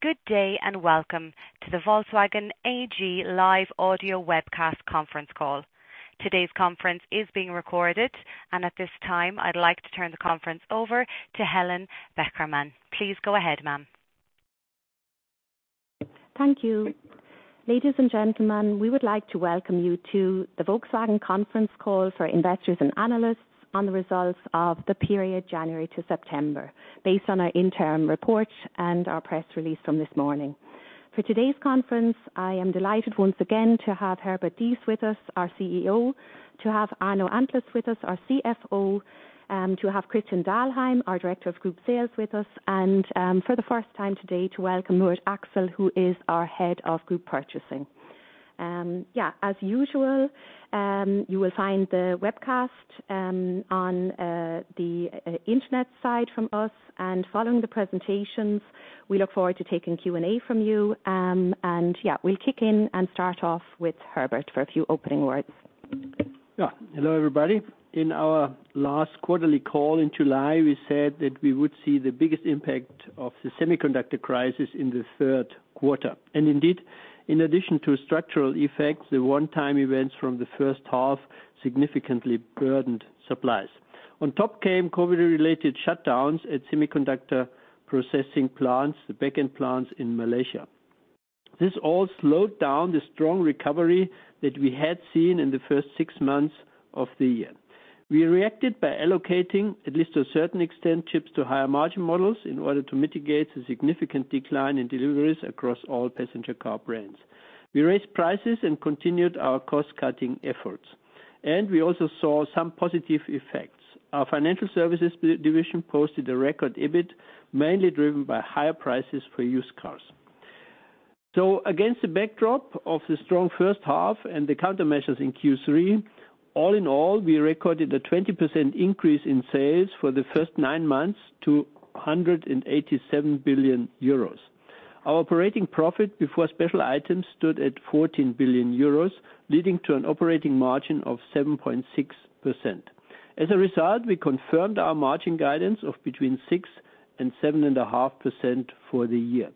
Good day, and welcome to the Volkswagen AG live audio webcast conference call. Today's conference is being recorded, and at this time, I'd like to turn the conference over to Helen Beckermann. Please go ahead, ma'am. Thank you. Ladies and gentlemen, we would like to welcome you to the Volkswagen conference call for investors and analysts on the results of the period January to September, based on our interim report and our press release from this morning. For today's conference, I am delighted once again to have Herbert Diess with us, our CEO, to have Arno Antlitz with us, our CFO, to have Christian Dahlheim, our Director of Group Sales, with us, and for the first time today to welcome Murat Aksel, who is our Head of Group Purchasing. Yeah, as usual, you will find the webcast on the internet site from us. Following the presentations, we look forward to taking Q&A from you. Yeah, we'll kick in and start off with Herbert for a few opening words. Yeah. Hello, everybody. In our last quarterly call in July, we said that we would see the biggest impact of the semiconductor crisis in the third quarter. Indeed, in addition to structural effects, the one-time events from the first half significantly burdened supplies. On top came COVID-related shutdowns at semiconductor processing plants, the backend plants in Malaysia. This all slowed down the strong recovery that we had seen in the first six months of the year. We reacted by allocating, at least to a certain extent, chips to higher margin models in order to mitigate the significant decline in deliveries across all passenger car brands. We raised prices and continued our cost-cutting efforts, and we also saw some positive effects. Our financial services division posted a record EBIT, mainly driven by higher prices for used cars. Against the backdrop of the strong first half and the countermeasures in Q3, all in all, we recorded a 20% increase in sales for the first nine months to 187 billion euros. Our operating profit before special items stood at 14 billion euros, leading to an operating margin of 7.6%. As a result, we confirmed our margin guidance of between 6% and 7.5% for the year.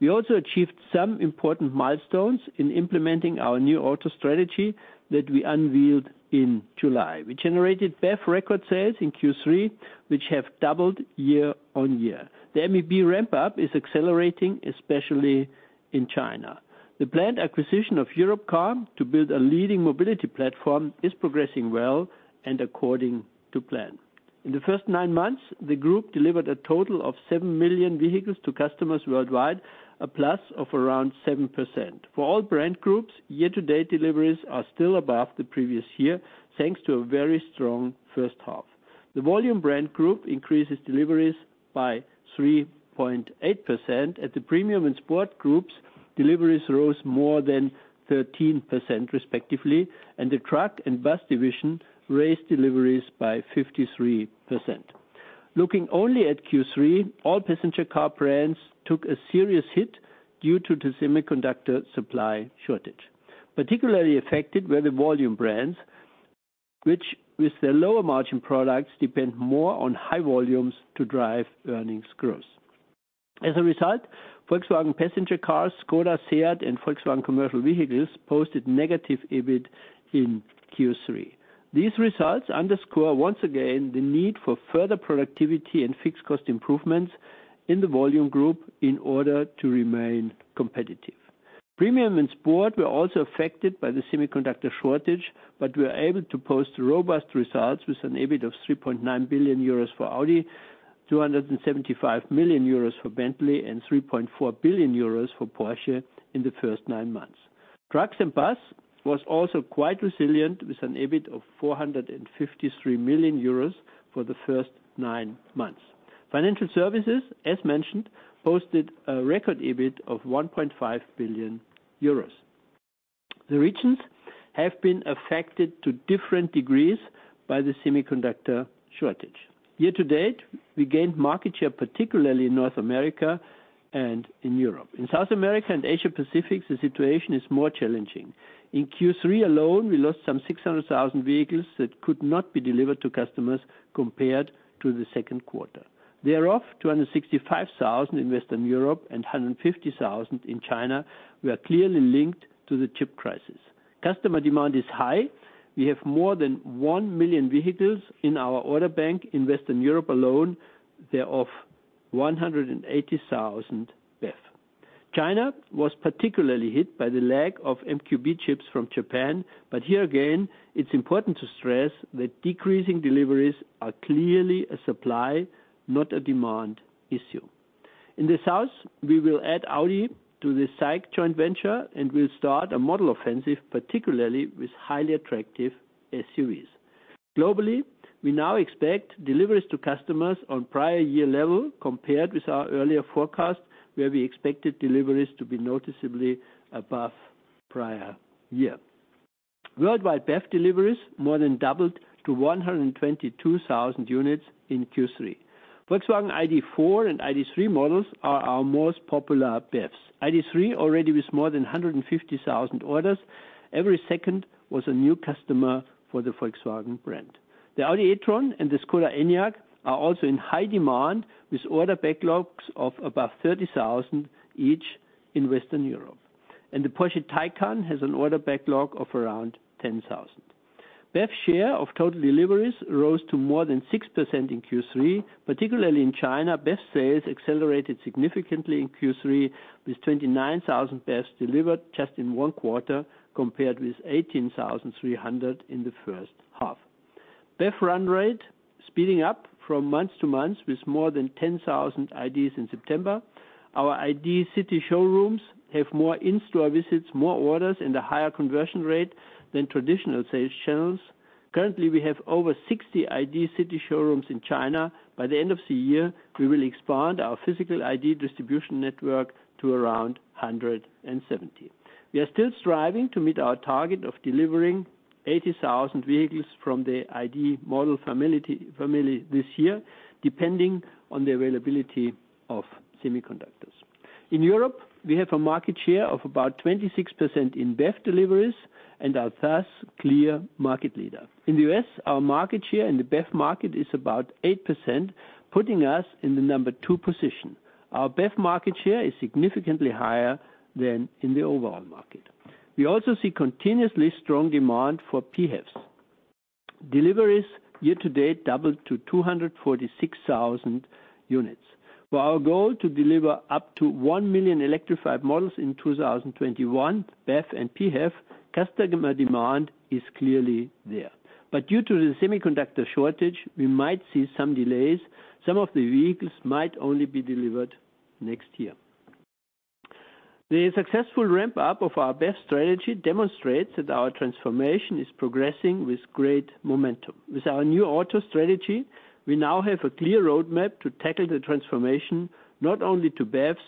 We also achieved some important milestones in implementing our NEW AUTO strategy that we unveiled in July. We generated BEV record sales in Q3, which have doubled year-over-year. The MEB ramp-up is accelerating, especially in China. The planned acquisition of Europcar to build a leading mobility platform is progressing well and according to plan. In the first nine months, the group delivered a total of 7 million vehicles to customers worldwide, a plus of around 7%. For all brand groups, year-to-date deliveries are still above the previous year, thanks to a very strong first half. The volume brand group increases deliveries by 3.8%. At the Premium and Sport groups, deliveries rose more than 13% respectively, and the Truck and Bus division raised deliveries by 53%. Looking only at Q3, all passenger car brands took a serious hit due to the semiconductor supply shortage. Particularly affected were the volume brands, which with their lower margin products depend more on high volumes to drive earnings growth. As a result, Volkswagen Passenger Cars, Škoda, SEAT, and Volkswagen Commercial Vehicles posted negative EBIT in Q3. These results underscore, once again, the need for further productivity and fixed cost improvements in the volume group in order to remain competitive. Premium and Sport were also affected by the semiconductor shortage, but we're able to post robust results with an EBIT of 3.9 billion euros for Audi, 275 million euros for Bentley, and 3.4 billion euros for Porsche in the first nine months. Trucks and Bus was also quite resilient with an EBIT of 453 million euros for the first nine months. Financial services, as mentioned, posted a record EBIT of 1.5 billion euros. The regions have been affected to different degrees by the semiconductor shortage. Year to date, we gained market share, particularly in North America and in Europe. In South America and Asia Pacific, the situation is more challenging. In Q3 alone, we lost some 600,000 vehicles that could not be delivered to customers compared to the second quarter. Thereof, 265,000 in Western Europe and 150,000 in China were clearly linked to the chip crisis. Customer demand is high. We have more than one million vehicles in our order bank in Western Europe alone. Thereof, 180,000 BEV. China was particularly hit by the lack of MQB chips from Japan, but here again, it's important to stress that decreasing deliveries are clearly a supply, not a demand issue. In the South, we will add Audi to the SAIC joint venture, and we'll start a model offensive, particularly with highly attractive S series. Globally, we now expect deliveries to customers on prior year level compared with our earlier forecast, where we expected deliveries to be noticeably above prior year. Worldwide BEV deliveries more than doubled to 122,000 units in Q3. Volkswagen ID.4 and ID.3 models are our most popular BEVs. ID.3 already with more than 150,000 orders. Every second was a new customer for the Volkswagen brand. The Audi e-tron and the Škoda Enyaq are also in high demand, with order backlogs of above 30,000 each in Western Europe. The Porsche Taycan has an order backlog of around 10,000. BEV share of total deliveries rose to more than 6% in Q3, particularly in China. BEV sales accelerated significantly in Q3, with 29,000 BEVs delivered just in one quarter, compared with 18,300 in the first half. BEV run rate speeding up from months to months, with more than 10,000 IDs in September. Our ID city showrooms have more in-store visits, more orders, and a higher conversion rate than traditional sales channels. Currently, we have over 60 ID city showrooms in China. By the end of the year, we will expand our physical ID distribution network to around 170. We are still striving to meet our target of delivering 80,000 vehicles from the ID model family this year, depending on the availability of semiconductors. In Europe, we have a market share of about 26% in BEV deliveries and are thus clear market leader. In the U.S., our market share in the BEV market is about 8%, putting us in the number two position. Our BEV market share is significantly higher than in the overall market. We also see continuously strong demand for PHEVs. Deliveries year to date doubled to 246,000 units. For our goal to deliver up to 1 million electrified models in 2021, BEV and PHEV, customer demand is clearly there. Due to the semiconductor shortage, we might see some delays. Some of the vehicles might only be delivered next year. The successful ramp up of our BEV strategy demonstrates that our transformation is progressing with great momentum. With our NEW AUTO strategy, we now have a clear roadmap to tackle the transformation, not only to BEVs,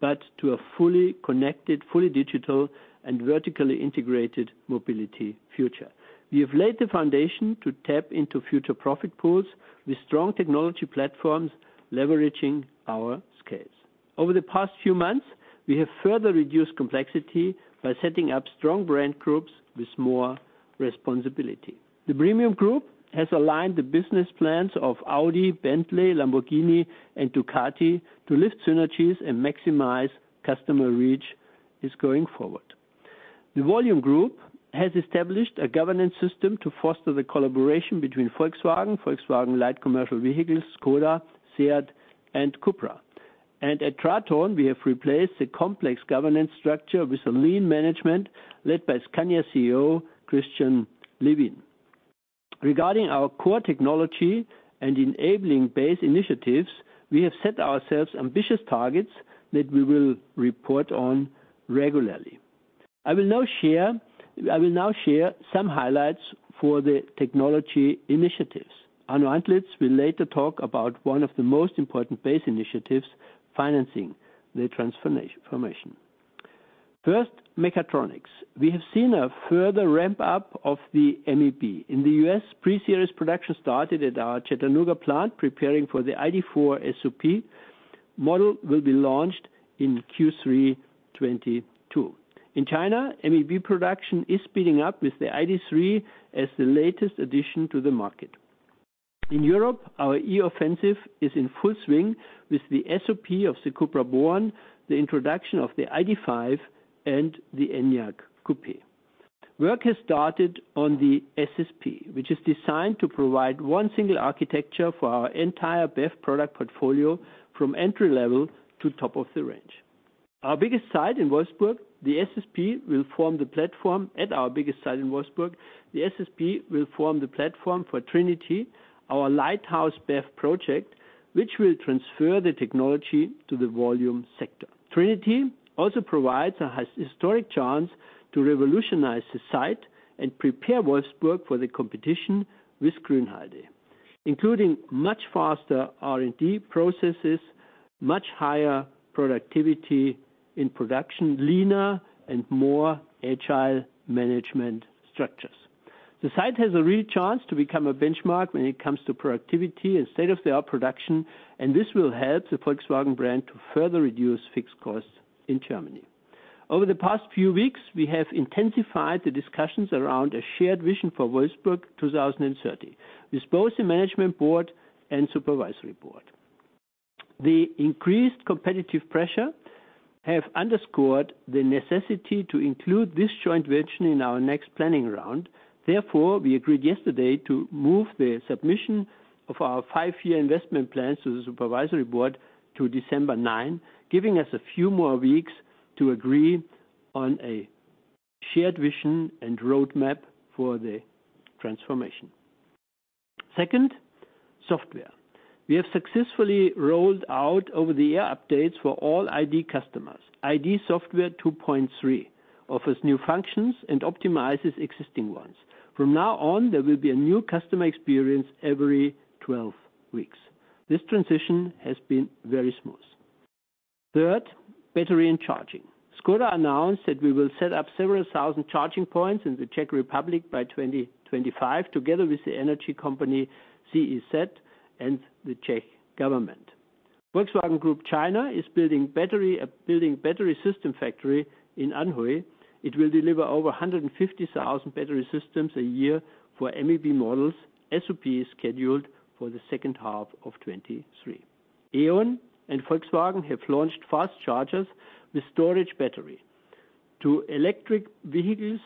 but to a fully connected, fully digital and vertically integrated mobility future. We have laid the foundation to tap into future profit pools with strong technology platforms, leveraging our scales. Over the past few months, we have further reduced complexity by setting up strong brand groups with more responsibility. The premium group has aligned the business plans of Audi, Bentley, Lamborghini, and Ducati to lift synergies and maximize customer reach going forward. The volume group has established a governance system to foster the collaboration between Volkswagen Commercial Vehicles, ŠKODA, SEAT, and CUPRA. At TRATON, we have replaced the complex governance structure with a lean management led by Scania CEO Christian Levin. Regarding our core technology and enabling base initiatives, we have set ourselves ambitious targets that we will report on regularly. I will now share some highlights for the technology initiatives. Arno Antlitz will later talk about one of the most important base initiatives, financing the transformation. First, mechatronics. We have seen a further ramp up of the MEB. In the U.S., pre-series production started at our Chattanooga plant preparing for the ID.4 SOP. Model will be launched in Q3 2022. In China, MEB production is speeding up with the ID.3 as the latest addition to the market. In Europe, our e-offensive is in full swing with the SOP of the Cupra Born, the introduction of the ID.5 and the Enyaq Coupé. Work has started on the SSP, which is designed to provide one single architecture for our entire BEV product portfolio from entry level to top of the range. Our biggest site in Wolfsburg, the SSP will form the platform. The SSP will form the platform for Trinity, our lighthouse BEV project, which will transfer the technology to the volume sector. Trinity also provides a historic chance to revolutionize the site and prepare Wolfsburg for the competition with Grünheide, including much faster R&D processes, much higher productivity in production, leaner and more agile management structures. The site has a real chance to become a benchmark when it comes to productivity and state-of-the-art production, and this will help the Volkswagen brand to further reduce fixed costs in Germany. Over the past few weeks, we have intensified the discussions around a shared vision for Wolfsburg 2030 with both the management board and supervisory board. The increased competitive pressure have underscored the necessity to include this joint venture in our next planning round. Therefore, we agreed yesterday to move the submission of our five-year investment plans to the supervisory board to December 9, giving us a few more weeks to agree on a shared vision and roadmap for the transformation. Second, software. We have successfully rolled out over-the-air updates for all ID. customers. ID. Software 2.3 offers new functions and optimizes existing ones. From now on, there will be a new customer experience every 12 weeks. This transition has been very smooth. Third, battery and charging. Škoda announced that we will set up several thousand charging points in the Czech Republic by 2025, together with the energy company ČEZ and the Czech government. Volkswagen Group China is building battery system factory in Anhui. It will deliver over 150,000 battery systems a year for MEB models. SOP is scheduled for the second half of 2023. E.ON and Volkswagen have launched fast chargers with storage battery. Two electric vehicles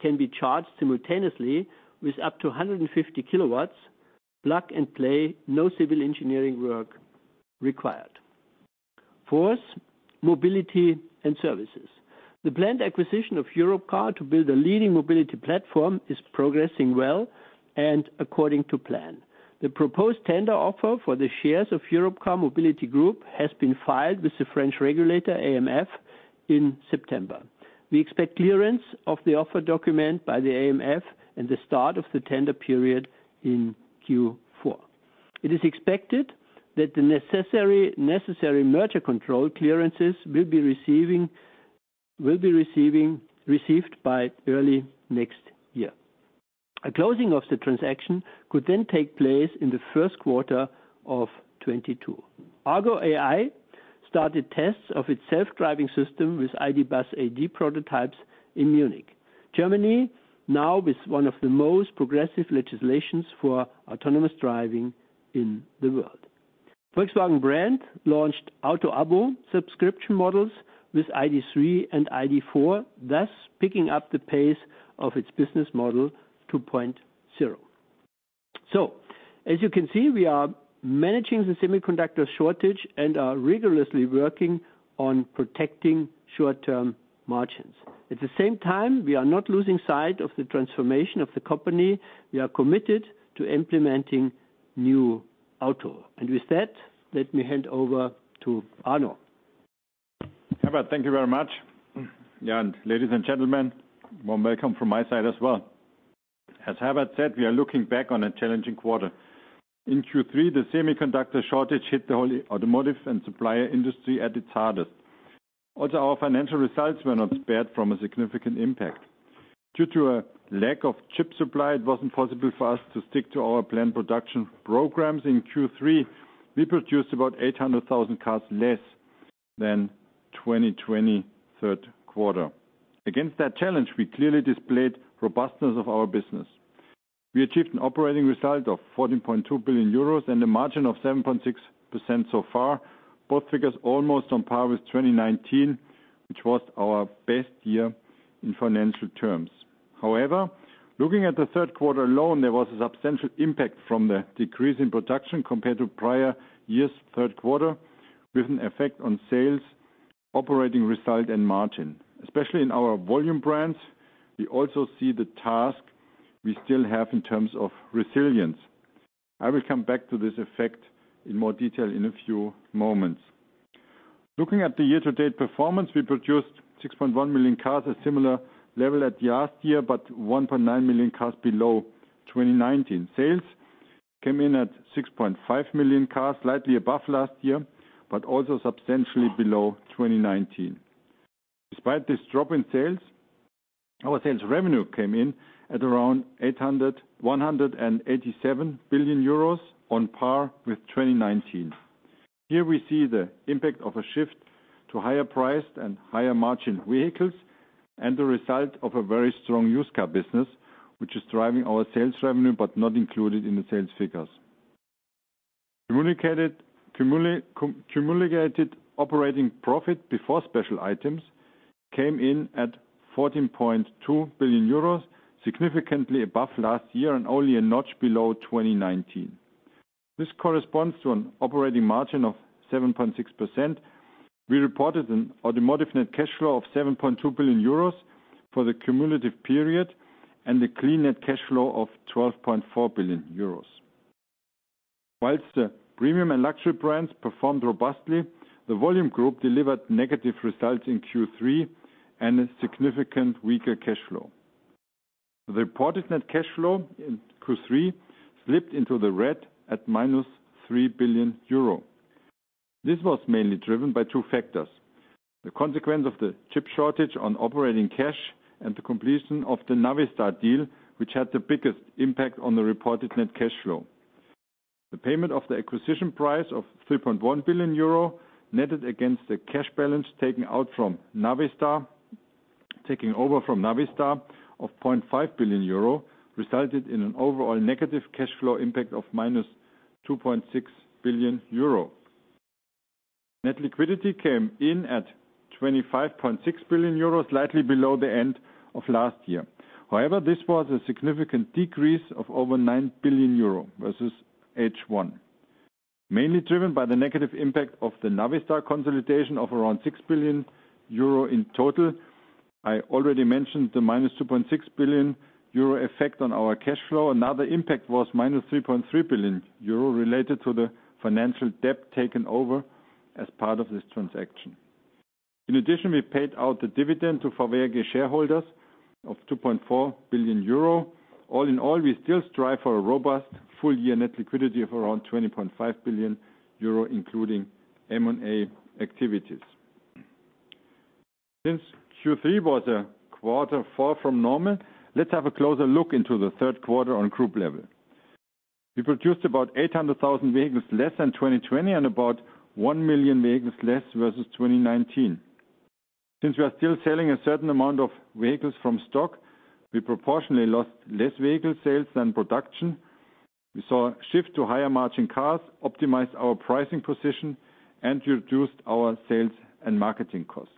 can be charged simultaneously with up to 150 kilowatts, plug and play, no civil engineering work required. Fourth, mobility and services. The planned acquisition of Europcar to build a leading mobility platform is progressing well and according to plan. The proposed tender offer for the shares of Europcar Mobility Group has been filed with the French regulator, AMF, in September. We expect clearance of the offer document by the AMF and the start of the tender period in Q4. It is expected that the necessary merger control clearances will be received by early next year. A closing of the transaction could then take place in the first quarter of 2022. Argo AI started tests of its self-driving system with ID.Buzz AD prototypes in Munich. Germany now is one of the most progressive legislations for autonomous driving in the world. Volkswagen brand launched Auto Abo subscription models with ID.3 and ID.4, thus picking up the pace of its business model to point zero. As you can see, we are managing the semiconductor shortage and are rigorously working on protecting short-term margins. At the same time, we are not losing sight of the transformation of the company. We are committed to implementing NEW AUTO. With that, let me hand over to Arno. Herbert, thank you very much. Yeah, and ladies and gentlemen, warm welcome from my side as well. As Herbert said, we are looking back on a challenging quarter. In Q3, the semiconductor shortage hit the whole automotive and supplier industry at its hardest. Also, our financial results were not spared from a significant impact. Due to a lack of chip supply, it wasn't possible for us to stick to our planned production programs. In Q3, we produced about 800,000 cars less than 2020 third quarter. Against that challenge, we clearly displayed robustness of our business. We achieved an operating result of 40.2 billion euros and a margin of 7.6% so far, both figures almost on par with 2019, which was our best year in financial terms. However, looking at the third quarter alone, there was a substantial impact from the decrease in production compared to prior year's third quarter, with an effect on sales, operating result, and margin. Especially in our volume brands, we also see the task we still have in terms of resilience. I will come back to this effect in more detail in a few moments. Looking at the year-to-date performance, we produced 6.1 million cars, a similar level at last year, but 1.9 million cars below 2019. Sales came in at 6.5 million cars, slightly above last year, but also substantially below 2019. Despite this drop in sales, our sales revenue came in at around 208.3 billion euros on par with 2019. Here we see the impact of a shift to higher priced and higher margin vehicles and the result of a very strong used car business, which is driving our sales revenue, but not included in the sales figures. Cumulated operating profit before special items came in at 14.2 billion euros, significantly above last year and only a notch below 2019. This corresponds to an operating margin of 7.6%. We reported an automotive net cash flow of 7.2 billion euros for the cumulative period and a clean net cash flow of 12.4 billion euros. While the premium and luxury brands performed robustly, the volume group delivered negative results in Q3 and a significantly weaker cash flow. The reported net cash flow in Q3 slipped into the red at -3 billion euro. This was mainly driven by two factors, the consequence of the chip shortage on operating cash and the completion of the Navistar deal, which had the biggest impact on the reported net cash flow. The payment of the acquisition price of 3.1 billion euro netted against the cash balance taken out from Navistar, taking over from Navistar of 0.5 billion euro, resulted in an overall negative cash flow impact of -2.6 billion euro. Net liquidity came in at 25.6 billion euro, slightly below the end of last year. However, this was a significant decrease of over 9 billion euro versus H1, mainly driven by the negative impact of the Navistar consolidation of around 6 billion euro in total. I already mentioned the -2.6 billion euro effect on our cash flow. Another impact was -3.3 billion euro related to the financial debt taken over as part of this transaction. In addition, we paid out the dividend to Volkswagen AG shareholders of 2.4 billion euro. All in all, we still strive for a robust full-year net liquidity of around 20.5 billion euro, including M&A activities. Since Q3 was a quarter far from normal, let's have a closer look into the third quarter on group level. We produced about 800,000 vehicles less than 2020 and about 1,000,000 vehicles less versus 2019. Since we are still selling a certain amount of vehicles from stock, we proportionally lost less vehicle sales than production. We saw a shift to higher margin cars, optimized our pricing position, and reduced our sales and marketing costs.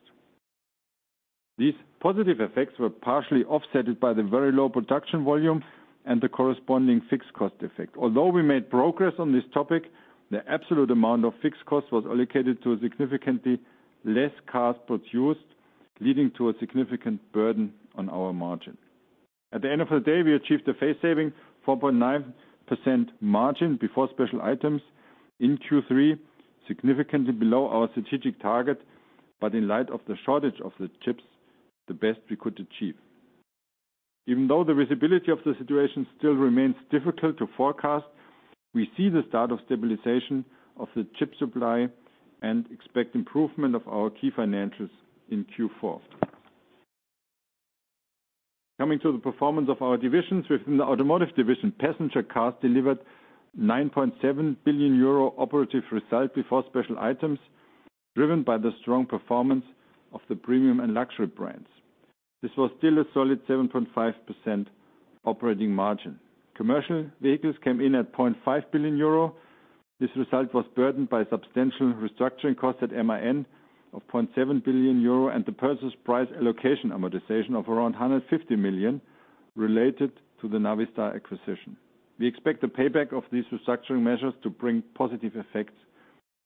These positive effects were partially offset by the very low production volume and the corresponding fixed cost effect. Although we made progress on this topic, the absolute amount of fixed costs was allocated to significantly fewer cars produced, leading to a significant burden on our margin. At the end of the day, we achieved a face-saving 4.9% margin before special items in Q3, significantly below our strategic target, but in light of the shortage of the chips, the best we could achieve. Even though the visibility of the situation still remains difficult to forecast, we see the start of stabilization of the chip supply and expect improvement of our key financials in Q4. Coming to the performance of our divisions. Within the Automotive division, passenger cars delivered 9.7 billion euro operative result before special items, driven by the strong performance of the premium and luxury brands. This was still a solid 7.5% operating margin. Commercial vehicles came in at EUR 0.5 billion. This result was burdened by substantial restructuring costs at MAN of EUR 0.7 billion and the purchase price allocation amortization of around EUR 150 million related to the Navistar acquisition. We expect the payback of these restructuring measures to bring positive effects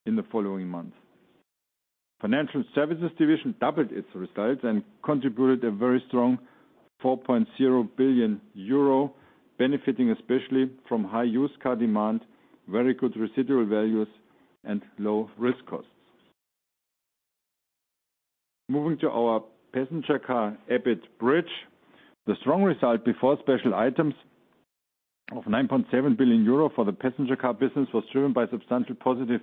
in the following months. Financial services division doubled its results and contributed a very strong 4.0 billion euro, benefiting especially from high used car demand, very good residual values, and low risk costs. Moving to our passenger car EBIT bridge. The strong result before special items of 9.7 billion euro for the passenger car business was driven by substantial positive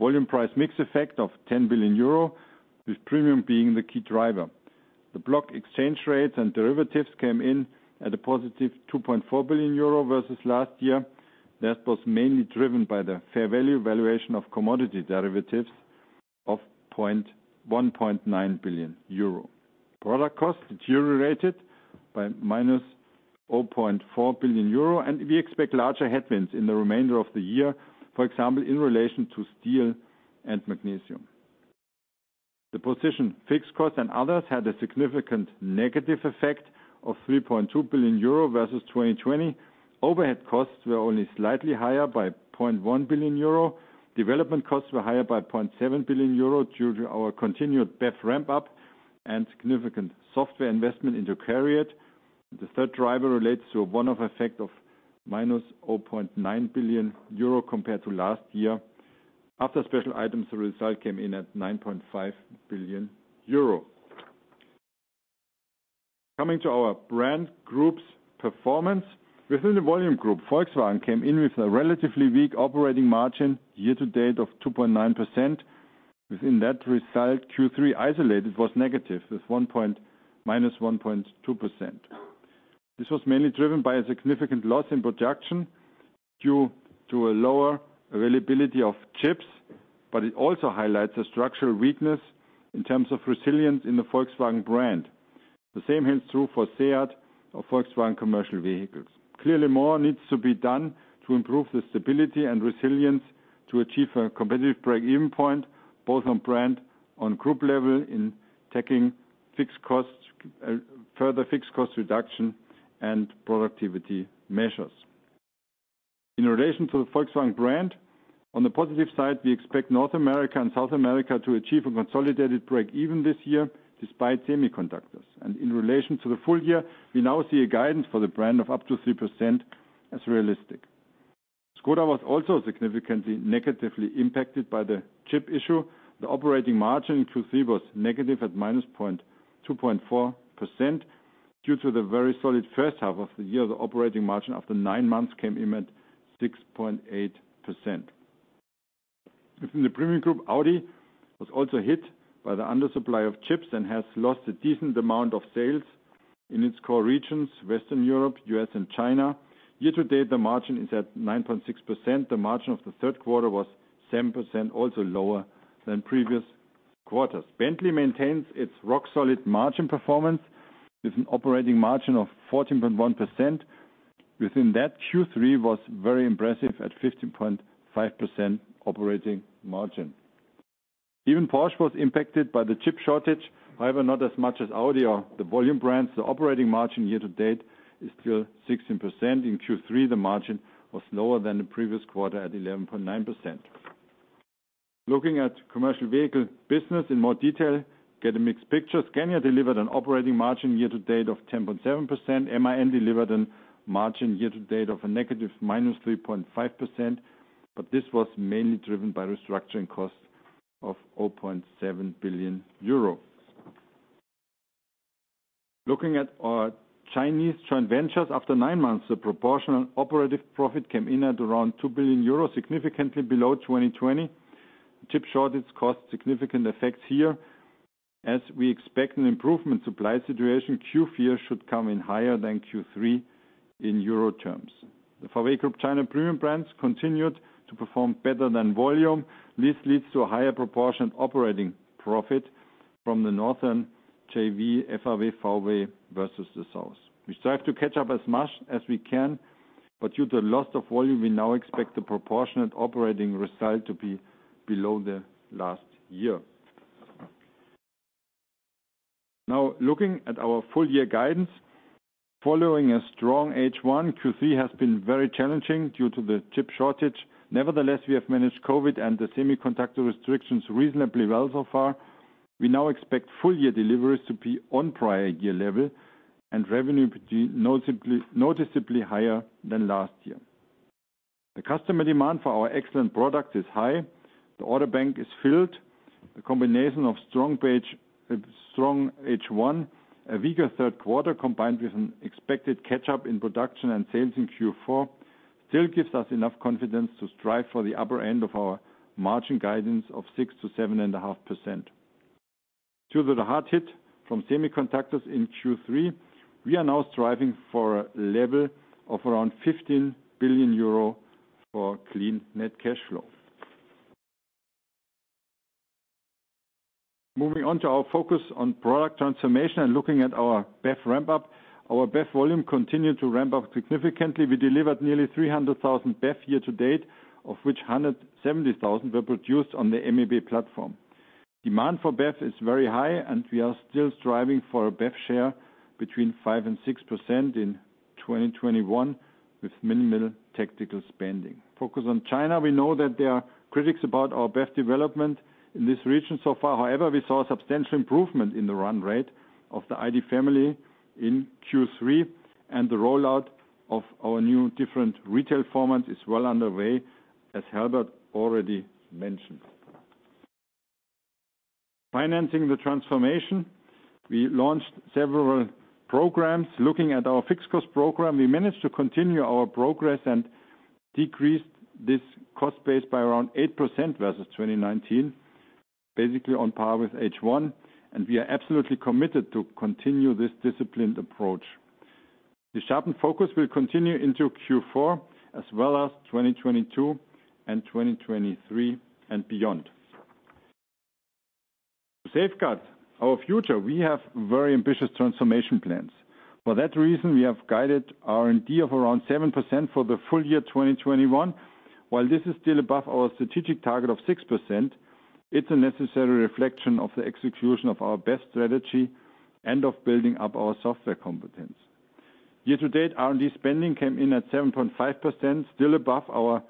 volume price mix effect of 10 billion euro, with premium being the key driver. The FX exchange rates and derivatives came in at a positive 2.4 billion euro versus last year. That was mainly driven by the fair value valuation of commodity derivatives of 1.9 billion euro. Product costs deteriorated by -0.4 billion euro, and we expect larger headwinds in the remainder of the year, for example, in relation to steel and magnesium. The fixed costs and others had a significant negative effect of 3.2 billion euro versus 2020. Overhead costs were only slightly higher by 0.1 billion euro. Development costs were higher by 0.7 billion euro due to our continued BEV ramp-up and significant software investment in the period. The third driver relates to a one-off effect of -0.9 billion euro compared to last year. After special items, the result came in at 9.5 billion euro. Coming to our brand group's performance. Within the volume group, Volkswagen came in with a relatively weak operating margin year-to-date of 2.9%. Within that result, Q3, isolated was negative, with -1.2%. This was mainly driven by a significant loss in production due to a lower availability of chips, but it also highlights a structural weakness in terms of resilience in the Volkswagen brand. The same holds true for SEAT or Volkswagen Commercial Vehicles. Clearly, more needs to be done to improve the stability and resilience to achieve a competitive break-even point, both on brand, on group level, in taking fixed costs, further fixed cost reduction and productivity measures. In relation to the Volkswagen brand, on the positive side, we expect North America and South America to achieve a consolidated break-even this year, despite semiconductors. In relation to the full year, we now see a guidance for the brand of up to 3% as realistic. ŠKODA was also significantly negatively impacted by the chip issue. The operating margin in Q3 was negative at minus 2.4%. Due to the very solid first half of the year, the operating margin after nine months came in at 6.8%. Within the premium group, Audi was also hit by the undersupply of chips and has lost a decent amount of sales in its core regions, Western Europe, U.S., and China. Year to date, the margin is at 9.6%. The margin of the third quarter was 7%, also lower than previous quarters. Bentley maintains its rock-solid margin performance with an operating margin of 14.1%. Within that, Q3 was very impressive at 15.5% operating margin. Even Porsche was impacted by the chip shortage, however, not as much as Audi or the volume brands. The operating margin year to date is still 16%. In Q3, the margin was lower than the previous quarter at 11.9%. Looking at commercial vehicle business in more detail, we get a mixed picture. Scania delivered an operating margin year to date of 10.7%. MAN delivered a margin year to date of a negative minus 3.5%, but this was mainly driven by restructuring costs of 0.7 billion euro. Looking at our Chinese joint ventures after nine months, the proportional operative profit came in at around 2 billion euros, significantly below 2020. Chip shortage caused significant effects here as we expect an improvement supply situation Q4 should come in higher than Q3 in euro terms. The FAW Group China premium brands continued to perform better than volume. This leads to a higher proportion operating profit from the Northern JV, FAW-VW, FAW versus the South. We strive to catch up as much as we can, but due to the loss of volume, we now expect the proportionate operating result to be below the last year. Now, looking at our full year guidance. Following a strong H1, Q3 has been very challenging due to the chip shortage. Nevertheless, we have managed COVID and the semiconductor restrictions reasonably well so far. We now expect full year deliveries to be on prior year level and revenue to be noticeably higher than last year. The customer demand for our excellent product is high. The order bank is filled. The combination of strong H1, a weaker third quarter, combined with an expected catch-up in production and sales in Q4 still gives us enough confidence to strive for the upper end of our margin guidance of 6%-7.5%. Due to the hard hit from semiconductors in Q3, we are now striving for a level of around 15 billion euro for clean net cash flow. Moving on to our focus on product transformation and looking at our BEV ramp up. Our BEV volume continued to ramp up significantly. We delivered nearly 300,000 BEV year to date, of which 170,000 were produced on the MEB platform. Demand for BEV is very high, and we are still striving for a BEV share between 5%-6% in 2021, with minimal tactical spending. Focus on China. We know that there are critics about our BEV development in this region so far. However, we saw substantial improvement in the run rate of the ID family in Q3, and the rollout of our new different retail formats is well underway, as Herbert already mentioned. Financing the transformation, we launched several programs. Looking at our fixed cost program, we managed to continue our progress and decreased this cost base by around 8% versus 2019, basically on par with H1, and we are absolutely committed to continue this disciplined approach. The sharpened focus will continue into Q4 as well as 2022 and 2023 and beyond. To safeguard our future, we have very ambitious transformation plans. For that reason, we have guided R&D of around 7% for the full year 2021. While this is still above our strategic target of 6%, it's a necessary reflection of the execution of our BEV strategy and of building up our software competence. Year to date, R&D spending came in at 7.5%, still above our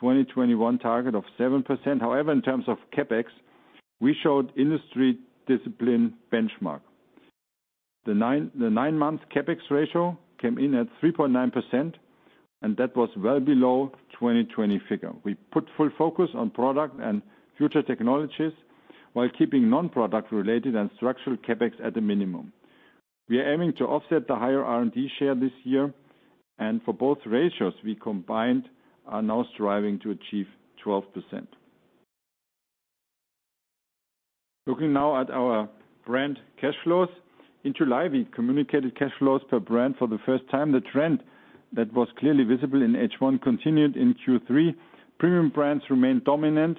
2021 target of 7%. However, in terms of CapEx, we showed industry discipline benchmark. The nine-month CapEx ratio came in at 3.9%, and that was well below 2020 figure. We put full focus on product and future technologies while keeping non-product related and structural CapEx at a minimum. We are aiming to offset the higher R&D share this year, and for both ratios we combined are now striving to achieve 12%. Looking now at our brand cash flows. In July, we communicated cash flows per brand for the first time. The trend that was clearly visible in H1 continued in Q3. Premium brands remain dominant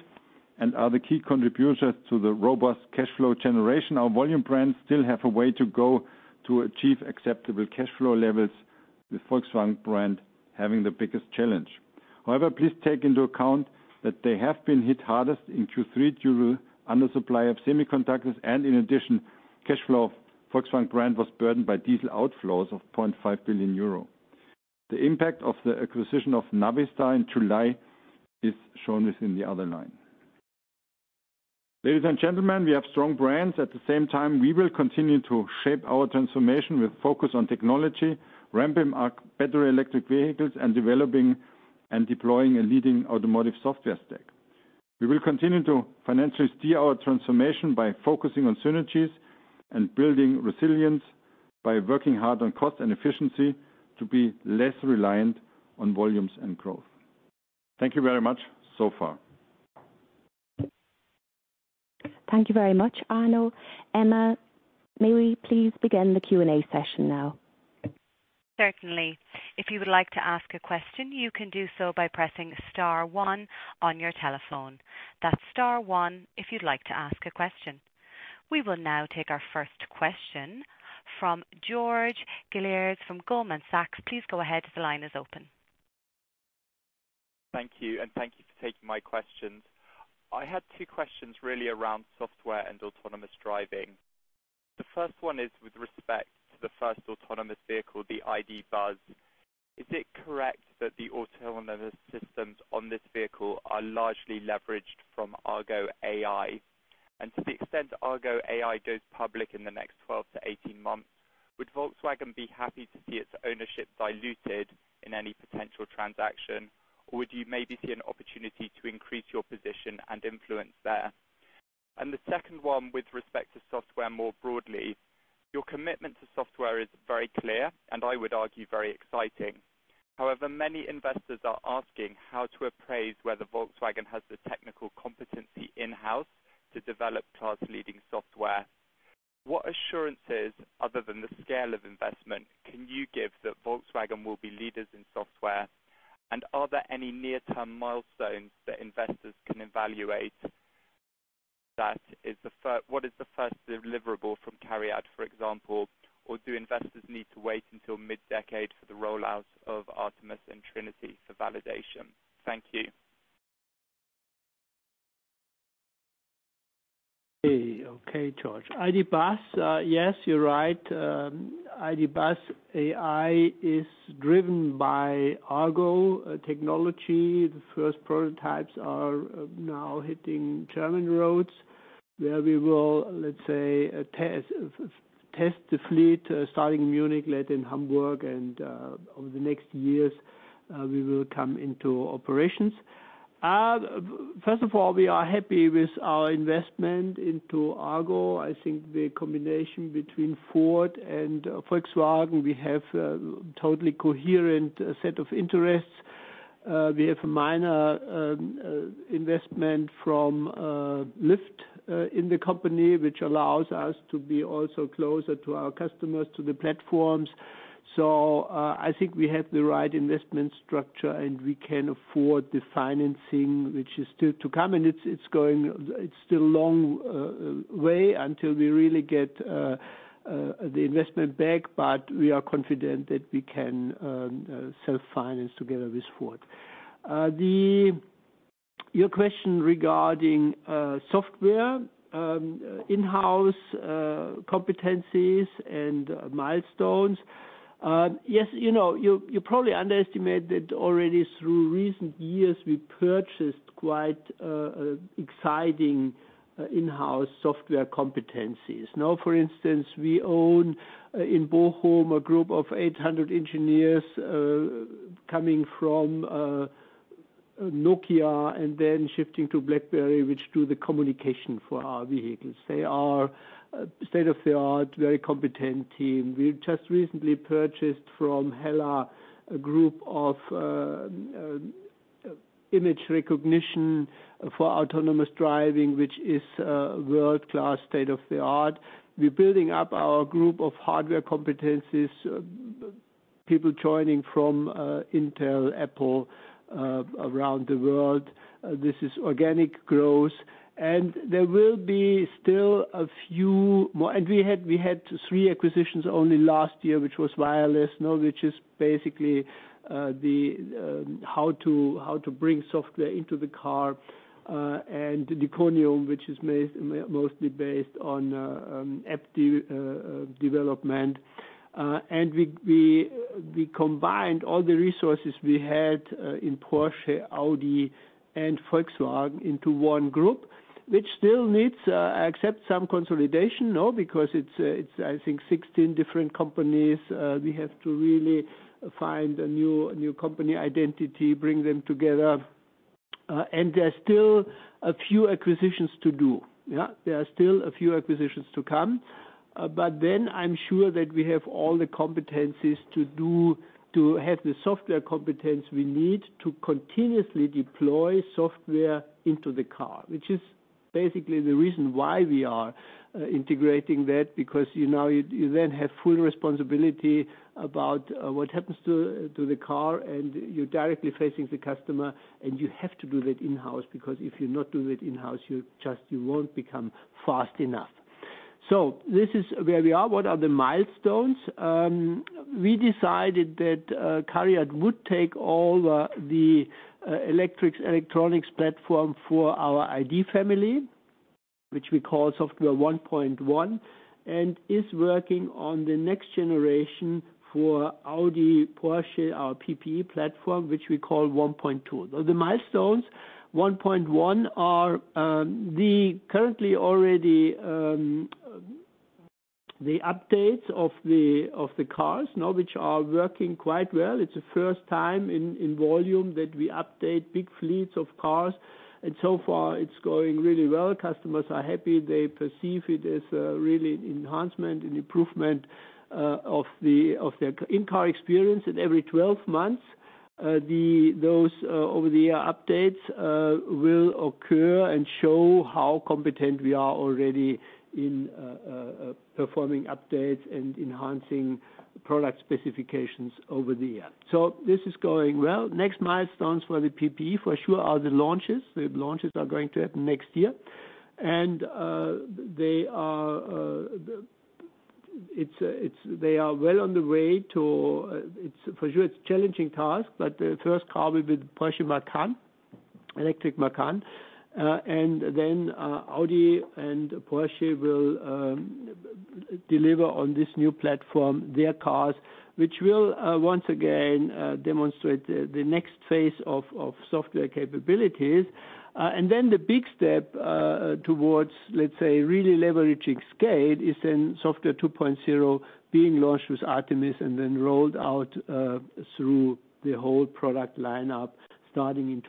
and are the key contributors to the robust cash flow generation. Our volume brands still have a way to go to achieve acceptable cash flow levels, with Volkswagen brand having the biggest challenge. However, please take into account that they have been hit hardest in Q3 due to undersupply of semiconductors and in addition, cash flow of Volkswagen brand was burdened by diesel outflows of 0.5 billion euro. The impact of the acquisition of Navistar in July is shown within the other line. Ladies and gentlemen, we have strong brands. At the same time, we will continue to shape our transformation with focus on technology, ramping up battery electric vehicles and developing and deploying a leading automotive software stack. We will continue to financially steer our transformation by focusing on synergies and building resilience by working hard on cost and efficiency to be less reliant on volumes and growth. Thank you very much so far. Thank you very much, Arno. Emma, may we please begin the Q&A session now? Certainly. If you would like to ask a question, you can do so by pressing star one on your telephone. That's star one if you'd like to ask a question. We will now take our first question from George Galliers from Goldman Sachs. Please go ahead. The line is open. Thank you, and thank you for taking my questions. I had two questions really around software and autonomous driving. The first one is with respect to the first autonomous vehicle, the ID.Buzz. Is it correct that the autonomous systems on this vehicle are largely leveraged from Argo AI? And to the extent Argo AI goes public in the next 12-18 months, would Volkswagen be happy to see its ownership diluted in any potential transaction? Or would you maybe see an opportunity to increase your position and influence there? The second one with respect to software more broadly. Your commitment to software is very clear, and I would argue very exciting. However, many investors are asking how to appraise whether Volkswagen has the technical competency in-house to develop class-leading software. What assurances other than the scale of investment can you give that Volkswagen will be leaders in software? Are there any near-term milestones that investors can evaluate, what is the first deliverable from CARIAD, for example? Or do investors need to wait until mid-decade for the rollout of Artemis and Trinity for validation? Thank you. Okay, George. ID.Buzz, yes, you're right. ID.Buzz AD is driven by Argo technology. The first prototypes are now hitting German roads, where we will, let's say, test the fleet starting in Munich, later in Hamburg and over the next years, we will come into operations. First of all, we are happy with our investment into Argo. I think the combination between Ford and Volkswagen, we have a totally coherent set of interests. We have a minor investment from Lyft in the company, which allows us to be also closer to our customers, to the platforms. I think we have the right investment structure, and we can afford the financing, which is still to come, and it's going. It's still long way until we really get the investment back, but we are confident that we can self-finance together with Ford. Your question regarding software in-house competencies and milestones. Yes, you know, you probably underestimated already through recent years we purchased quite exciting in-house software competencies. Now, for instance, we own in Bochum a group of 800 engineers coming from Nokia and then shifting to BlackBerry, which do the communication for our vehicles. They are state-of-the-art, very competent team. We just recently purchased from HELLA a group of image recognition for autonomous driving, which is world-class, state-of-the-art. We're building up our group of hardware competencies, people joining from Intel, Apple around the world. This is organic growth. There will be still a few more. We had three acquisitions only last year, which was WirelessCar, which is basically how to bring software into the car, and diconium, which is mostly based on app development. We combined all the resources we had in Porsche, Audi, and Volkswagen into one group, which still needs some consolidation now because it's 16 different companies. We have to really find a new company identity, bring them together. There are still a few acquisitions to do, yeah. There are still a few acquisitions to come. I'm sure that we have all the competencies to have the software competence we need to continuously deploy software into the car, which is basically the reason why we are integrating that, because, you know, you then have full responsibility about what happens to the car, and you're directly facing the customer, and you have to do that in-house, because if you're not doing it in-house, you just won't become fast enough. This is where we are. What are the milestones? We decided that CARIAD would take all the electrics, electronics platform for our ID family, which we call software 1.1, and is working on the next generation for Audi, Porsche, our PPE platform, which we call 1.2. The milestones E³ 1.1 are the current updates of the cars now which are working quite well. It's the first time in volume that we update big fleets of cars, and so far it's going really well. Customers are happy. They perceive it as really an enhancement, an improvement of their in-car experience. Every 12 months, those over-the-air updates will occur and show how competent we are already in performing updates and enhancing product specifications over the air. This is going well. Next milestones for the PPE, for sure, are the launches. The launches are going to happen next year. They are well on the way to... It's for sure a challenging task, but the first car will be the Porsche Macan, electric Macan. Audi and Porsche will deliver on this new platform their cars, which will once again demonstrate the next phase of software capabilities. The big step towards, let's say, really leveraging scale is then software 2.0 being launched with Artemis and then rolled out through the whole product lineup starting in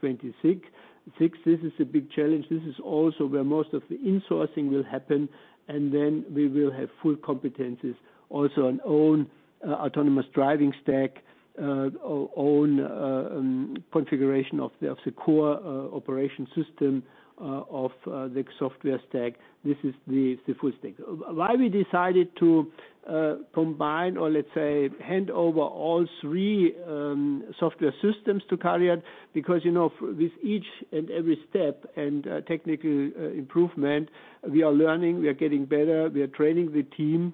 2026. This is a big challenge. This is also where most of the insourcing will happen, and then we will have full competencies also on own autonomous driving stack, own configuration of the core operating system of the software stack. This is the full stack. Why we decided to combine or let's say hand over all three software systems to CARIAD, because, you know, with each and every step and technical improvement, we are learning, we are getting better, we are training the team,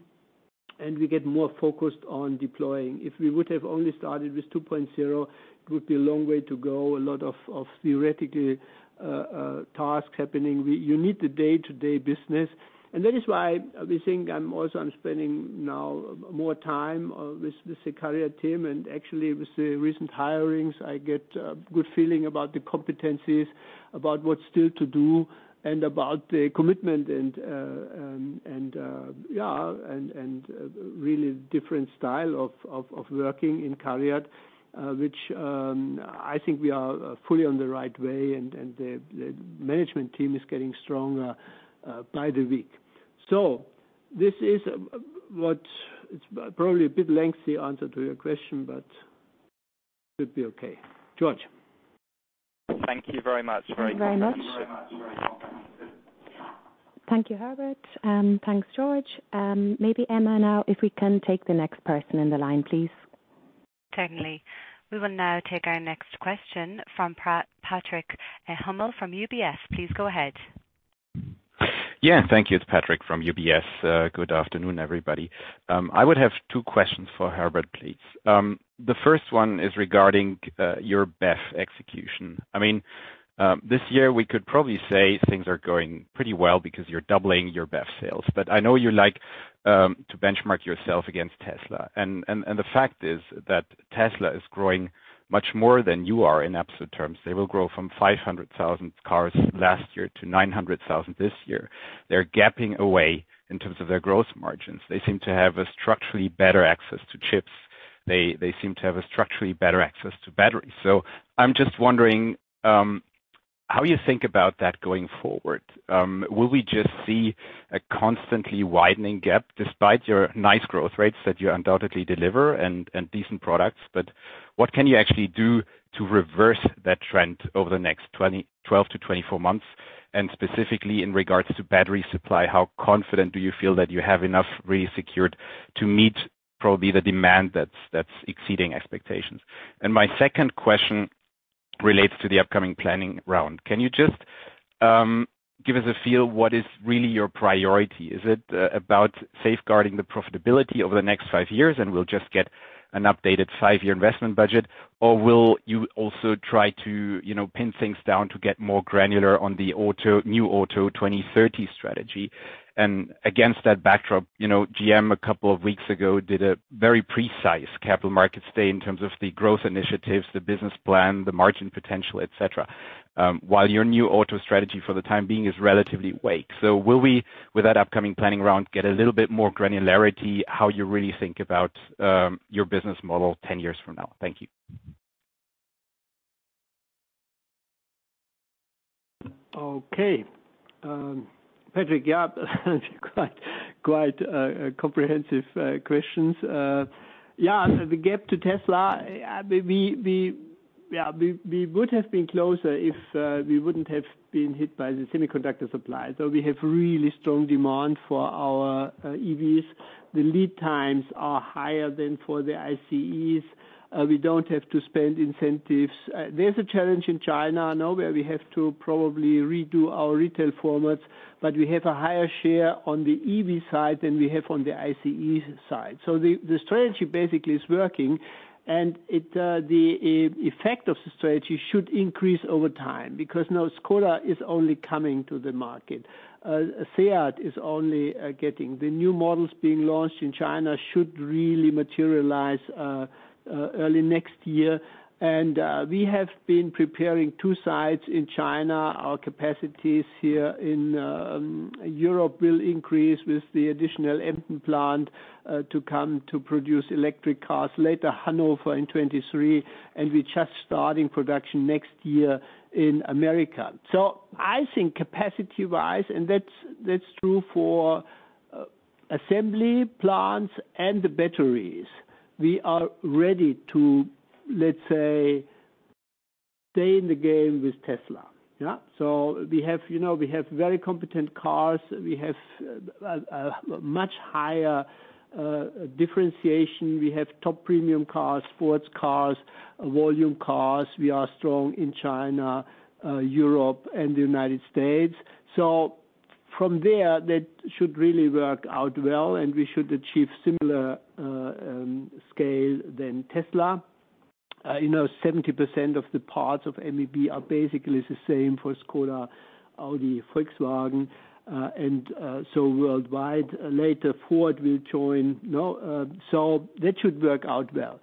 and we get more focused on deploying. If we would have only started with 2.0, it would be a long way to go, a lot of theoretical tasks happening. You need the day-to-day business. That is why we think. I'm spending now more time with the CARIAD team, and actually with the recent hirings, I get a good feeling about the competencies, about what's still to do, and about the commitment, and really different style of working in CARIAD, which I think we are fully on the right way, and the management team is getting stronger by the week. This is what. It's probably a bit lengthy answer to your question, but should be okay. George. Thank you very much. Thank you very much. Thank you very much. Very comprehensive. Thank you, Herbert. Thanks, George. Maybe Emma now, if we can take the next person in the line, please. Certainly. We will now take our next question from Patrick Hummel from UBS. Please go ahead. Yeah. Thank you. It's Patrick from UBS. Good afternoon, everybody. I would have two questions for Herbert, please. The first one is regarding your BEV execution. I mean, this year we could probably say things are going pretty well because you're doubling your BEV sales. I know you like to benchmark yourself against Tesla, and the fact is that Tesla is growing much more than you are in absolute terms. They will grow from 500,000 cars last year to 900,000 this year. They're gapping away in terms of their growth margins. They seem to have a structurally better access to chips. They seem to have a structurally better access to batteries. So I'm just wondering how you think about that going forward. Will we just see a constantly widening gap despite your nice growth rates that you undoubtedly deliver and decent products, but what can you actually do to reverse that trend over the next 12 to 24 months? Specifically in regards to battery supply, how confident do you feel that you have enough really secured to meet probably the demand that's exceeding expectations? My second question relates to the upcoming planning round. Can you just give us a feel what is really your priority? Is it about safeguarding the profitability over the next five years and we'll just get an updated five-year investment budget? Or will you also try to, you know, pin things down to get more granular on the auto, NEW AUTO 2030 strategy? Against that backdrop, you know, GM a couple of weeks ago did a very precise capital markets day in terms of the growth initiatives, the business plan, the margin potential, et cetera, while your NEW AUTO strategy for the time being is relatively vague. Will we, with that upcoming planning round, get a little bit more granularity, how you really think about your business model ten years from now? Thank you. Okay. Patrick, yeah, quite comprehensive questions. Yeah, the gap to Tesla, we would have been closer if we wouldn't have been hit by the semiconductor supply. We have really strong demand for our EVs. The lead times are higher than for the ICEs. We don't have to spend incentives. There's a challenge in China now where we have to probably redo our retail formats, but we have a higher share on the EV side than we have on the ICE side. The strategy basically is working and the effect of the strategy should increase over time because now ŠKODA is only coming to the market. SEAT is only getting. The new models being launched in China should really materialize early next year. We have been preparing two sites in China. Our capacities here in Europe will increase with the additional Emden plant to come to produce electric cars later, Hanover in 2023, and we're just starting production next year in America. I think capacity-wise, and that's true for assembly plants and the batteries, we are ready to, let's say, stay in the game with Tesla. Yeah. We have, you know, we have very competent cars, we have much higher differentiation. We have top premium cars, sports cars, volume cars. We are strong in China, Europe and the United States. From there, that should really work out well, and we should achieve similar scale than Tesla. You know, 70% of the parts of MEB are basically the same for ŠKODA, Audi, Volkswagen, and so worldwide. Later, Ford will join. You know, so that should work out well.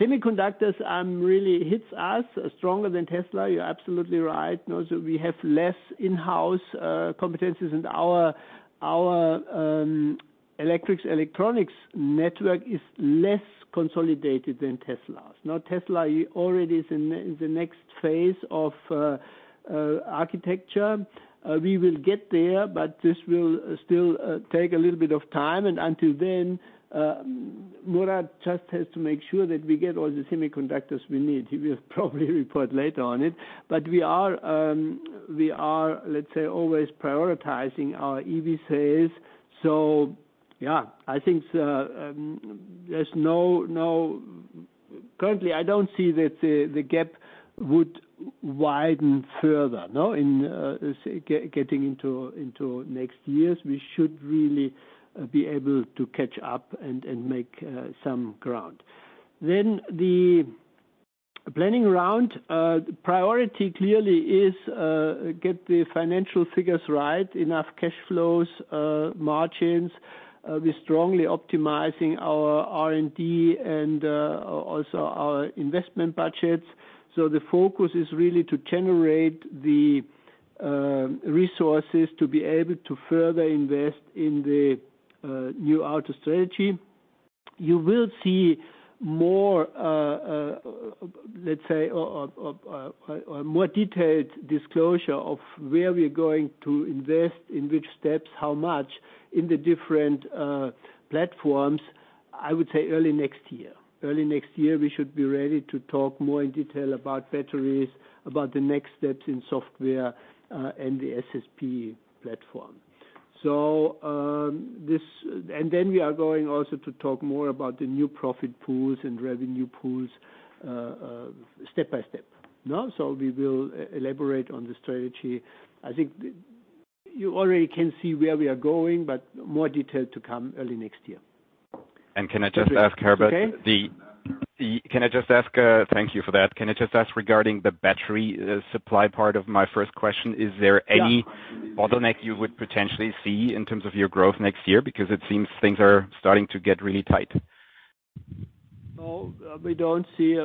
Semiconductors really hits us stronger than Tesla. You're absolutely right. You know, so we have less in-house competencies, and our electrics, electronics network is less consolidated than Tesla's. Now, Tesla already is in the next phase of architecture. We will get there, but this will still take a little bit of time. Until then, Murat just has to make sure that we get all the semiconductors we need. He will probably report later on it. We are, let's say, always prioritizing our EV sales. Yeah, I think, there's no... Currently, I don't see that the gap would widen further in getting into next years. We should really be able to catch up and make some ground. The planning round priority clearly is get the financial figures right, enough cash flows, margins. We're strongly optimizing our R&D and also our investment budgets. The focus is really to generate the resources to be able to further invest in the NEW AUTO strategy. You will see more, let's say, a more detailed disclosure of where we are going to invest, in which steps, how much in the different platforms, I would say early next year. Early next year, we should be ready to talk more in detail about batteries, about the next steps in software, and the SSP platform. We are going also to talk more about the new profit pools and revenue pools, step-by-step, you know. We will elaborate on the strategy. I think you already can see where we are going, but more detail to come early next year. Can I just ask Herbert- Okay. Can I just ask, thank you for that. Can I just ask regarding the battery, supply part of my first question? Yeah. Is there any bottleneck you would potentially see in terms of your growth next year? Because it seems things are starting to get really tight. No, we don't see.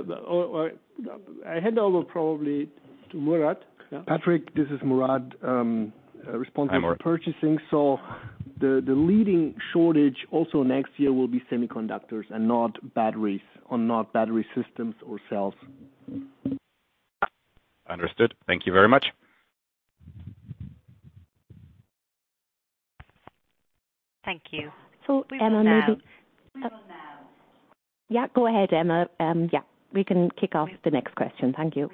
I hand over probably to Murat. Yeah. Patrick, this is Murat, responsible- Hi, Murat. for purchasing. The leading shortage also next year will be semiconductors and not batteries or not battery systems or cells. Understood. Thank you very much. Thank you. Emma, maybe. We will now. Yeah, go ahead, Emma. Yeah, we can kick off the next question. Thank you.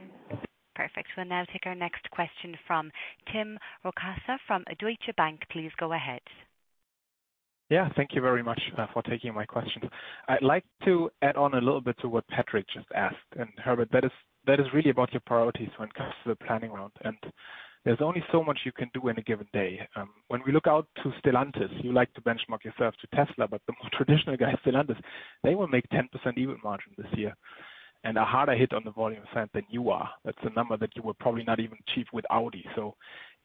Perfect. We'll now take our next question from Tim Rokossa from Deutsche Bank. Please go ahead. Yeah. Thank you very much for taking my question. I'd like to add on a little bit to what Patrick just asked. Herbert, that is really about your priorities when it comes to the planning round. There's only so much you can do in a given day. When we look out to Stellantis, you like to benchmark yourself to Tesla, but the more traditional guy, Stellantis, they will make 10% EBIT margin this year and a harder hit on the volume front than you are. That's a number that you will probably not even achieve with Audi.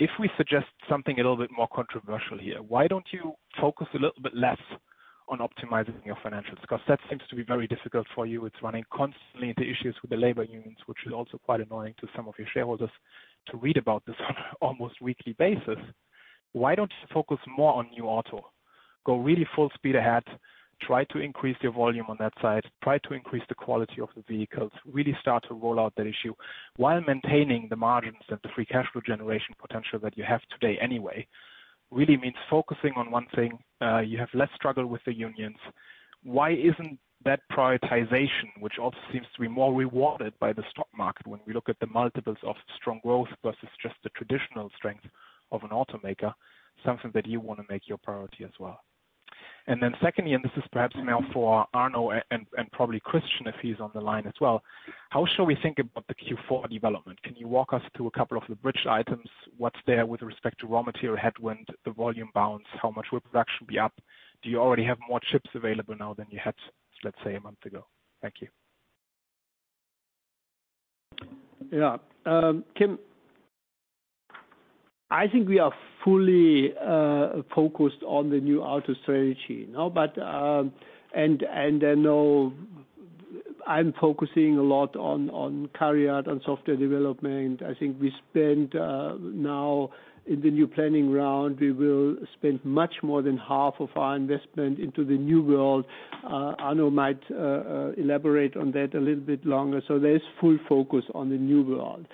If we suggest something a little bit more controversial here, why don't you focus a little bit less on optimizing your financials? Because that seems to be very difficult for you. It's running constantly into issues with the labor unions, which is also quite annoying to some of your shareholders to read about this on an almost weekly basis. Why don't you focus more on NEW AUTO? Go really full speed ahead, try to increase your volume on that side, try to increase the quality of the vehicles, really start to roll out that issue while maintaining the margins and the free cash flow generation potential that you have today anyway. Really means focusing on one thing, you have less struggle with the unions. Why isn't that prioritization, which also seems to be more rewarded by the stock market when we look at the multiples of strong growth versus just the traditional strength of an automaker, something that you want to make your priority as well? Secondly, and this is perhaps now for Arno and probably Christian, if he's on the line as well. How should we think about the Q4 development? Can you walk us through a couple of the bridge items, what's there with respect to raw material headwind, the volume bounce? How much will production be up? Do you already have more chips available now than you had, let's say, a month ago? Thank you. Yeah. Tim, I think we are fully focused on the NEW AUTO strategy. I know I'm focusing a lot on CARIAD and software development. I think we spend now in the new planning round, we will spend much more than half of our investment into the new world. Arno might elaborate on that a little bit longer. There is full focus on the new world.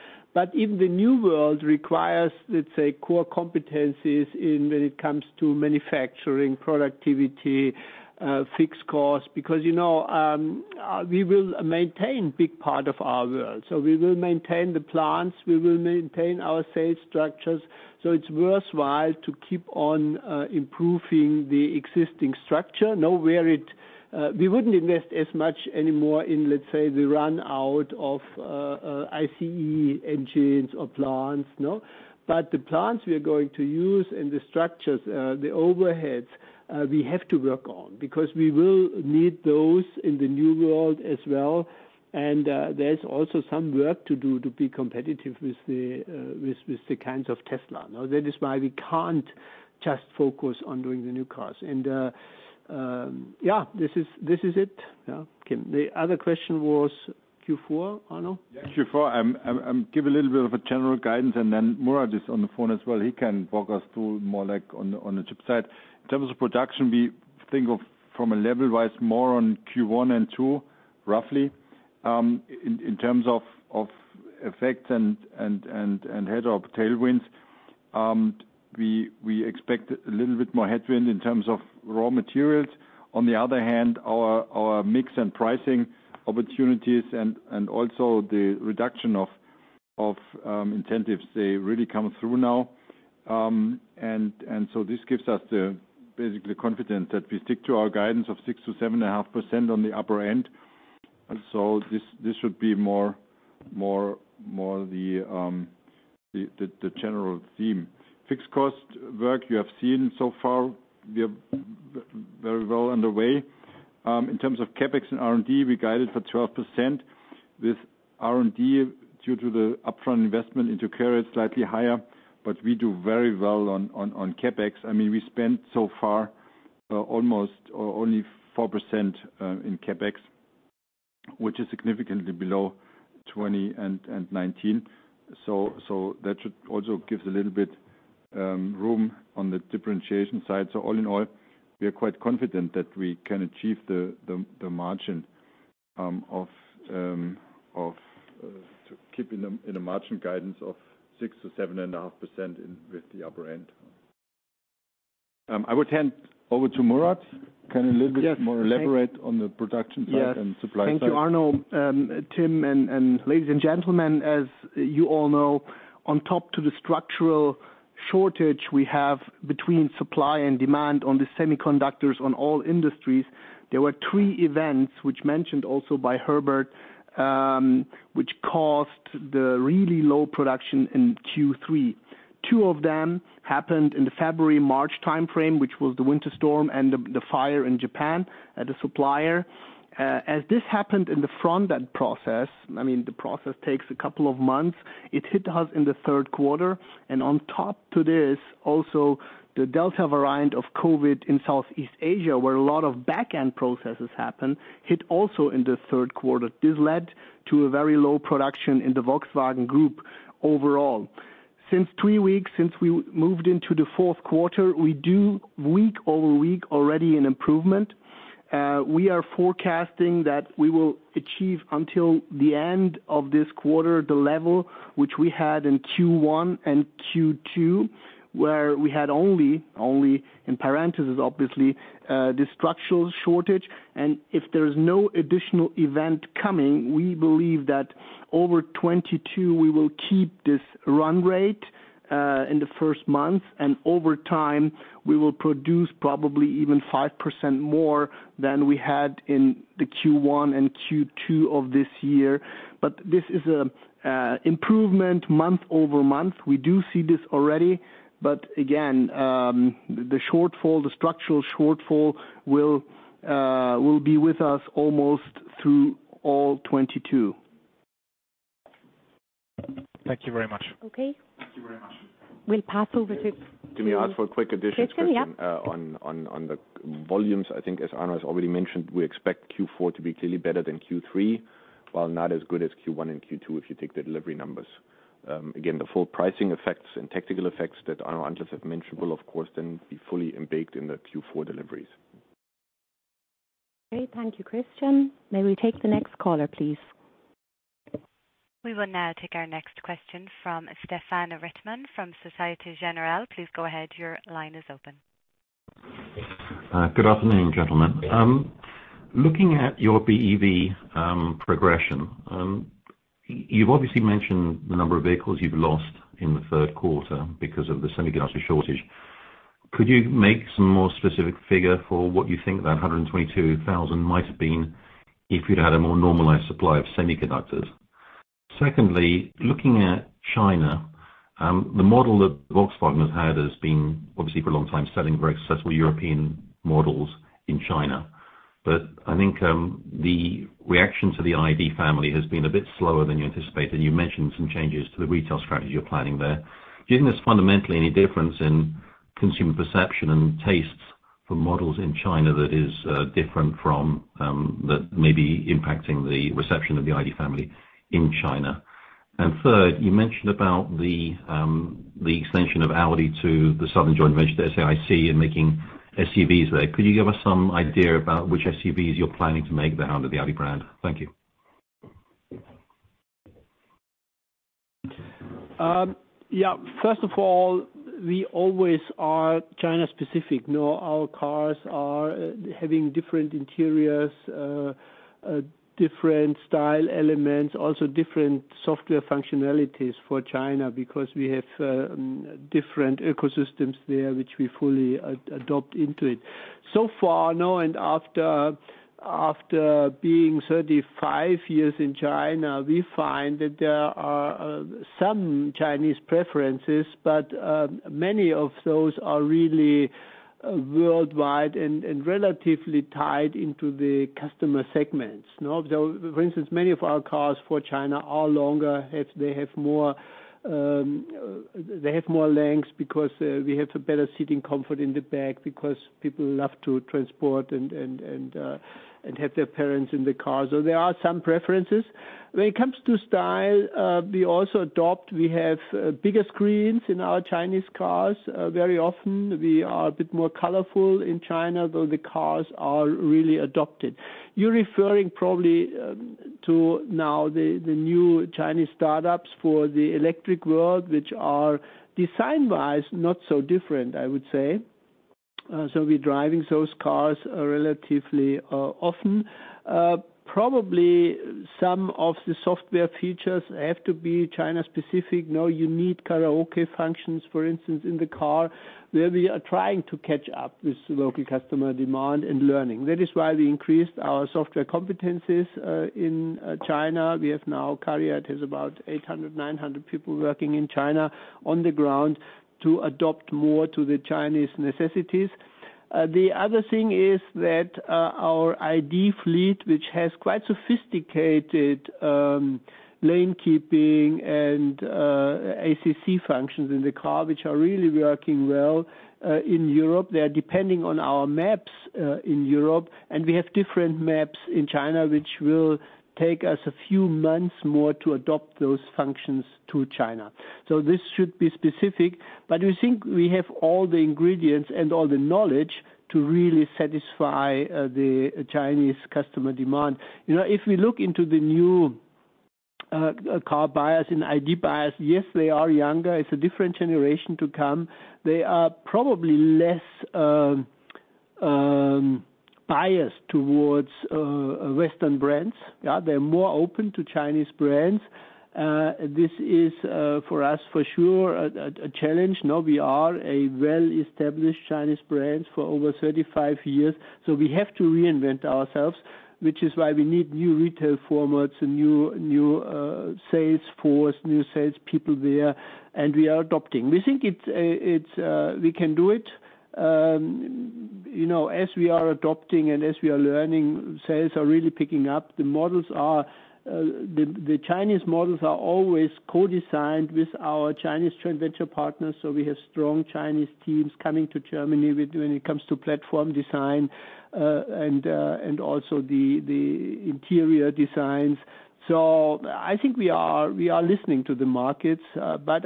Even the new world requires, let's say, core competencies in when it comes to manufacturing, productivity, fixed costs, because, you know, we will maintain big part of our world. We will maintain the plants, we will maintain our sales structures. It's worthwhile to keep on improving the existing structure. Now, we wouldn't invest as much anymore in, let's say, the run out of ICE engines or plants. No. But the plants we are going to use and the structures, the overheads, we have to work on because we will need those in the new world as well. There's also some work to do to be competitive with the kinds of Tesla. Now, that is why we can't just focus on doing the new cars. Yeah, this is it. Yeah. Tim. The other question was Q4, Arno? Yeah, Q4. Give a little bit of a general guidance, and then Murat is on the phone as well. He can walk us through more like on the chip side. In terms of production, we think of from a level-wise, more on Q1 and Q2, roughly. In terms of effects and headwinds or tailwinds. We expect a little bit more headwind in terms of raw materials. On the other hand, our mix and pricing opportunities and also the reduction of incentives, they really come through now. This gives us basically confidence that we stick to our guidance of 6%-7.5% on the upper end. This should be more the general theme. Fixed cost work you have seen so far. We are very well underway. In terms of CapEx and R&D, we guided for 12%. With R&D due to the upfront investment into current, slightly higher, but we do very well on CapEx. I mean we spent so far almost or only 4% in CapEx, which is significantly below 2020 and 2019. That should also gives a little bit room on the differentiation side. All in all, we are quite confident that we can achieve the margin of to keep in the margin guidance of 6%-7.5% with the upper end. I would hand over to Murat. Can you a little bit more- Yes. Thank you. Elaborate on the production side and supply side. Yes. Thank you, Arno. Tim, and ladies and gentlemen, as you all know, on top of the structural shortage we have between supply and demand for the semiconductors across all industries, there were three events which were mentioned also by Herbert, which caused the really low production in Q3. Two of them happened in the February, March timeframe, which was the winter storm and the fire in Japan at a supplier. As this happened in the front-end process, the process takes a couple of months. It hit us in the third quarter, and on top of this, also the Delta variant of COVID in Southeast Asia, where a lot of back-end processes happen, hit also in the third quarter. This led to a very low production in the Volkswagen Group overall. Since three weeks since we moved into the fourth quarter, we do week-over-week already an improvement. We are forecasting that we will achieve until the end of this quarter, the level which we had in Q1 and Q2, where we had only in parentheses obviously, the structural shortage. If there's no additional event coming, we believe that over 2022 we will keep this run rate in the first months. Over time, we will produce probably even 5% more than we had in the Q1 and Q2 of this year. This is an improvement month-over-month. We do see this already. Again, the shortfall, the structural shortfall will be with us almost through all 2022. Thank you very much. Okay. Thank you very much. We'll pass over to Jimmy, I'll ask for a quick additional question. Christian, yeah. On the volumes. I think as Arno has already mentioned, we expect Q4 to be clearly better than Q3, while not as good as Q1 and Q2 if you take the delivery numbers. Again, the full pricing effects and technical effects that Arno just have mentioned will of course then be fully embedded in the Q4 deliveries. Great. Thank you, Christian. May we take the next caller, please? We will now take our next question from Stephen Reitman from Société Générale. Please go ahead. Your line is open. Good afternoon, gentlemen. Looking at your BEV progression, you've obviously mentioned the number of vehicles you've lost in the third quarter because of the semiconductor shortage. Could you make some more specific figure for what you think that 122,000 might have been if you'd had a more normalized supply of semiconductors? Secondly, looking at China, the model that Volkswagen has had has been obviously for a long time selling very successful European models in China. I think the reaction to the ID family has been a bit slower than you anticipated. You mentioned some changes to the retail strategy you're planning there. Do you think there's fundamentally any difference in consumer perception and tastes for models in China that is different from that may be impacting the reception of the ID family in China? Third, you mentioned about the extension of Audi to the southern joint venture, SAIC, and making SUVs there. Could you give us some idea about which SUVs you're planning to make there under the Audi brand? Thank you. First of all, we always are China-specific. No, our cars are having different interiors, different style elements, also different software functionalities for China because we have different ecosystems there, which we fully adopt into it. After being 35 years in China, we find that there are some Chinese preferences. Many of those are really worldwide and relatively tied into the customer segments, you know? For instance, many of our cars for China are longer. They have more length because we have a better seating comfort in the back because people love to transport and have their parents in the car. There are some preferences. When it comes to style, we also adopt. We have bigger screens in our Chinese cars. Very often we are a bit more colorful in China, though the cars are really adopted. You're referring probably, To know the new Chinese startups for the electric world, which are design-wise not so different, I would say. We're driving those cars relatively often. Probably some of the software features have to be China-specific. You know, you need karaoke functions, for instance, in the car. We're trying to catch up with local customer demand and learning. That is why we increased our software competencies in China. We have now CARIAD has about 800, 900 people working in China on the ground to adapt more to the Chinese necessities. The other thing is that our ID fleet, which has quite sophisticated lane keeping and ACC functions in the car, which are really working well in Europe. They are depending on our maps in Europe, and we have different maps in China, which will take us a few months more to adopt those functions to China. This should be specific, but we think we have all the ingredients and all the knowledge to really satisfy the Chinese customer demand. You know, if we look into the new car buyers and ID buyers, yes, they are younger. It's a different generation to come. They are probably less biased towards Western brands. Yeah, they're more open to Chinese brands. This is for us, for sure, a challenge. Now we are a well-established Chinese brand for over 35 years, so we have to reinvent ourselves, which is why we need new retail formats, a new sales force, new sales people there, and we are adopting. We think it's we can do it. You know, as we are adopting and as we are learning, sales are really picking up. The Chinese models are always co-designed with our Chinese joint venture partners, so we have strong Chinese teams coming to Germany when it comes to platform design and also the interior designs. I think we are listening to the markets, but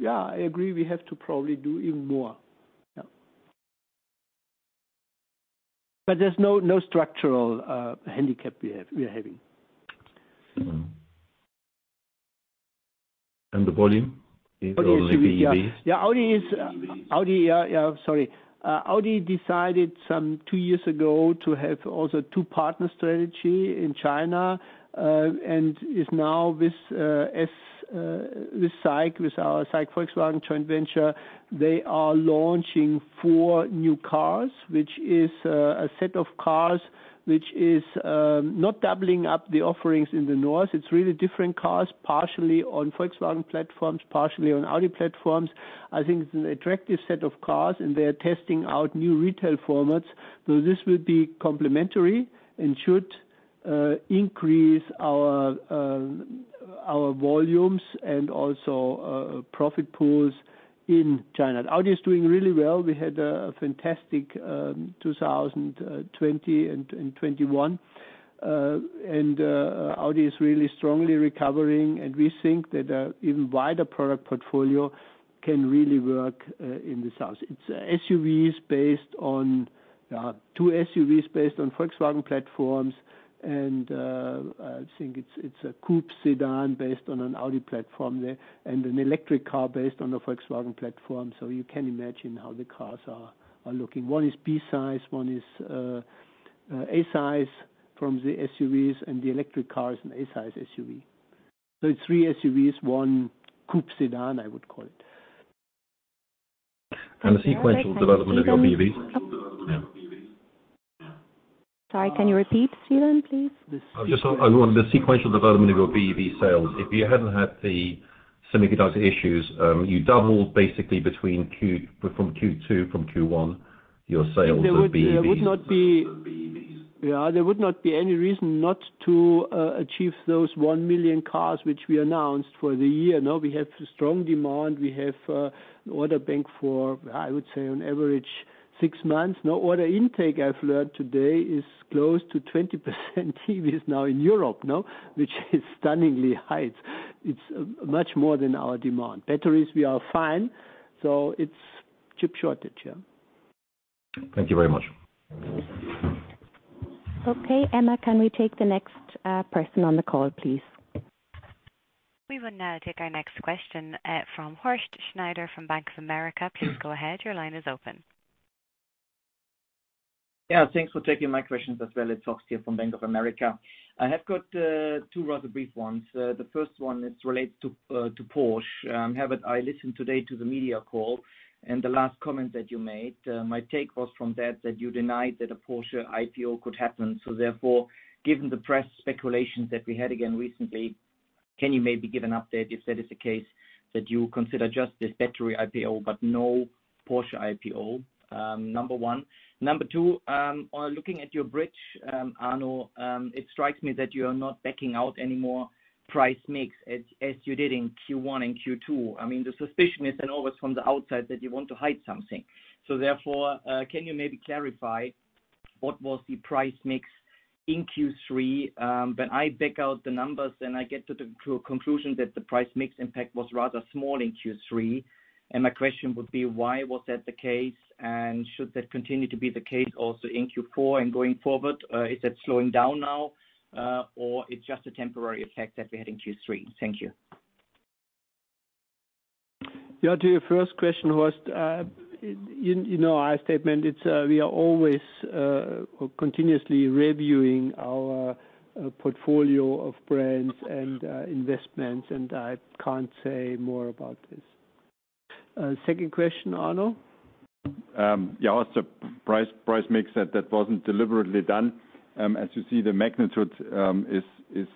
yeah, I agree, we have to probably do even more. Yeah. There's no structural handicap we are having. Mm-hmm. The volume? Volume. Only BEVs. Yeah, Audi is. BEVs. Audi decided some two years ago to have also two-partner strategy in China and is now with SAIC, with our SAIC Volkswagen joint venture. They are launching four new cars, which is a set of cars which is not doubling up the offerings in the North. It's really different cars, partially on Volkswagen platforms, partially on Audi platforms. I think it's an attractive set of cars, and they are testing out new retail formats. This will be complementary and should increase our volumes and also profit pools in China. Audi is doing really well. We had a fantastic 2020 and 2021. Audi is really strongly recovering, and we think that a even wider product portfolio can really work in the South. Two SUVs based on Volkswagen platforms and I think it's a coupe sedan based on an Audi platform there and an electric car based on a Volkswagen platform, so you can imagine how the cars are looking. One is B size, one is A size from the SUVs, and the electric car is an A size SUV. It's three SUVs, one coupe sedan, I would call it. The sequential development of your BEVs? Sorry, can you repeat, Stephen, please? Just on the sequential development of your BEV sales. If you hadn't had the semiconductor issues, you doubled basically from Q1 to Q2 your sales of BEVs. There would not be any reason not to achieve those 1 million cars which we announced for the year. We have strong demand. We have an order bank for, I would say, on average, six months. Order intake, I've learned today, is close to 20% BEVs now in Europe, no? Which is stunningly high. It's much more than our demand. Batteries, we are fine, so it's chip shortage. Thank you very much. Okay, Emma, can we take the next person on the call, please? We will now take our next question from Horst Schneider from Bank of America. Please go ahead. Your line is open. Yeah, thanks for taking my questions as well. It's Horst here from Bank of America. I have got two rather brief ones. The first one is related to Porsche. Herbert, I listened today to the media call and the last comment that you made. My take was from that you denied that a Porsche IPO could happen. Therefore, given the press speculations that we had again recently, can you maybe give an update if that is the case, that you consider just this battery IPO, but no Porsche IPO? Number one. Number two, on looking at your bridge, Arno, it strikes me that you are not backing out any more price mix as you did in Q1 and Q2. I mean, the suspicion is then always from the outside that you want to hide something. Can you maybe clarify what was the price mix in Q3? When I back out the numbers, then I get to the conclusion that the price mix impact was rather small in Q3. My question would be, why was that the case? Should that continue to be the case also in Q4 and going forward? Is that slowing down now, or it's just a temporary effect that we had in Q3? Thank you. Yeah, to your first question, Horst, in our statement, we are always continuously reviewing our portfolio of brands and investments, and I can't say more about this. Second question, Arno? Yeah, as the price mix that wasn't deliberately done. As you see, the magnitude is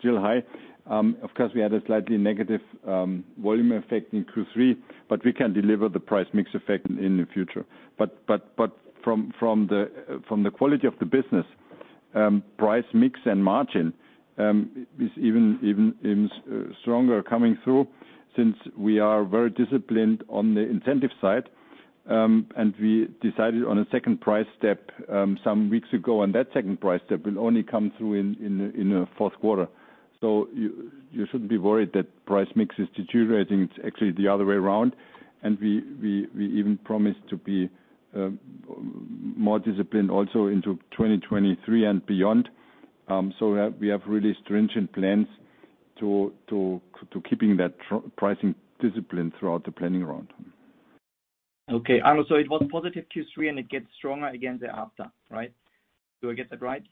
still high. Of course, we had a slightly negative volume effect in Q3, but we can deliver the price mix effect in the future. From the quality of the business, price mix and margin is even stronger coming through since we are very disciplined on the incentive side. We decided on a second price step some weeks ago, and that second price step will only come through in the fourth quarter. You shouldn't be worried that price mix is deteriorating. It's actually the other way around. We even promise to be more disciplined also into 2023 and beyond. We have really stringent plans to keeping that pricing discipline throughout the planning round. Okay. Arno, it was positive Q3, and it gets stronger again thereafter, right? Do I get that right?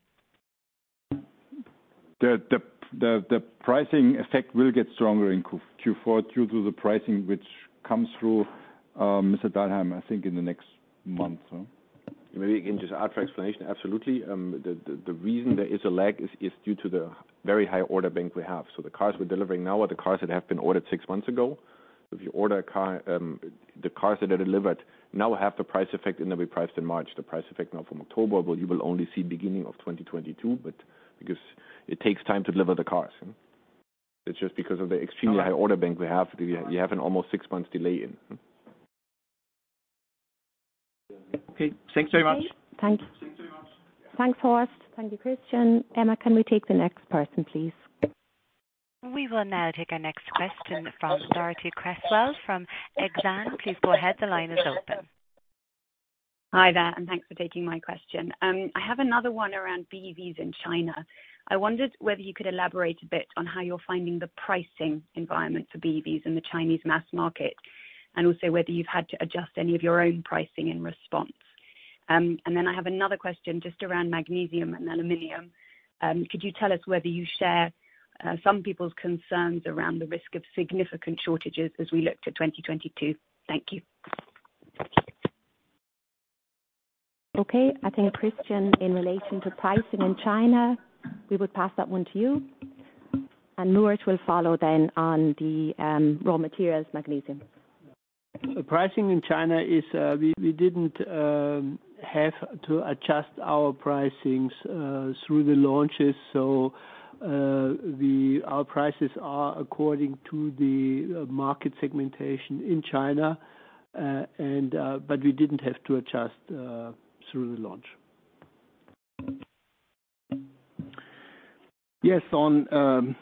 The pricing effect will get stronger in Q4 due to the pricing which comes through, Mr. Dahlheim, I think in the next month, so. Maybe I can just add for explanation. Absolutely. The reason there is a lag is due to the very high order bank we have. The cars we're delivering now are the cars that have been ordered 6 months ago. If you order a car, the cars that are delivered now have the price effect, and they'll be priced in March. The price effect now from October, well, you will only see beginning of 2022, but because it takes time to deliver the cars. It's just because of the extremely high order bank we have. We have an almost 6 months delay in. Okay. Thanks very much. Thanks. Thanks, Horst. Thank you, Christian. Emma, can we take the next person, please? We will now take our next question from Dorothee Cresswell from Exane. Please go ahead. The line is open. Hi there, and thanks for taking my question. I have another one around BEVs in China. I wondered whether you could elaborate a bit on how you're finding the pricing environment for BEVs in the Chinese mass market, and also whether you've had to adjust any of your own pricing in response. I have another question just around magnesium and aluminum. Could you tell us whether you share some people's concerns around the risk of significant shortages as we look to 2022? Thank you. Okay. I think Christian Dahlheim, in relation to pricing in China, we would pass that one to you. Murat Aksel will follow then on the raw materials magnesium. Pricing in China is. We didn't have to adjust our pricings through the launches. Our prices are according to the market segmentation in China. We didn't have to adjust through the launch. Yes, on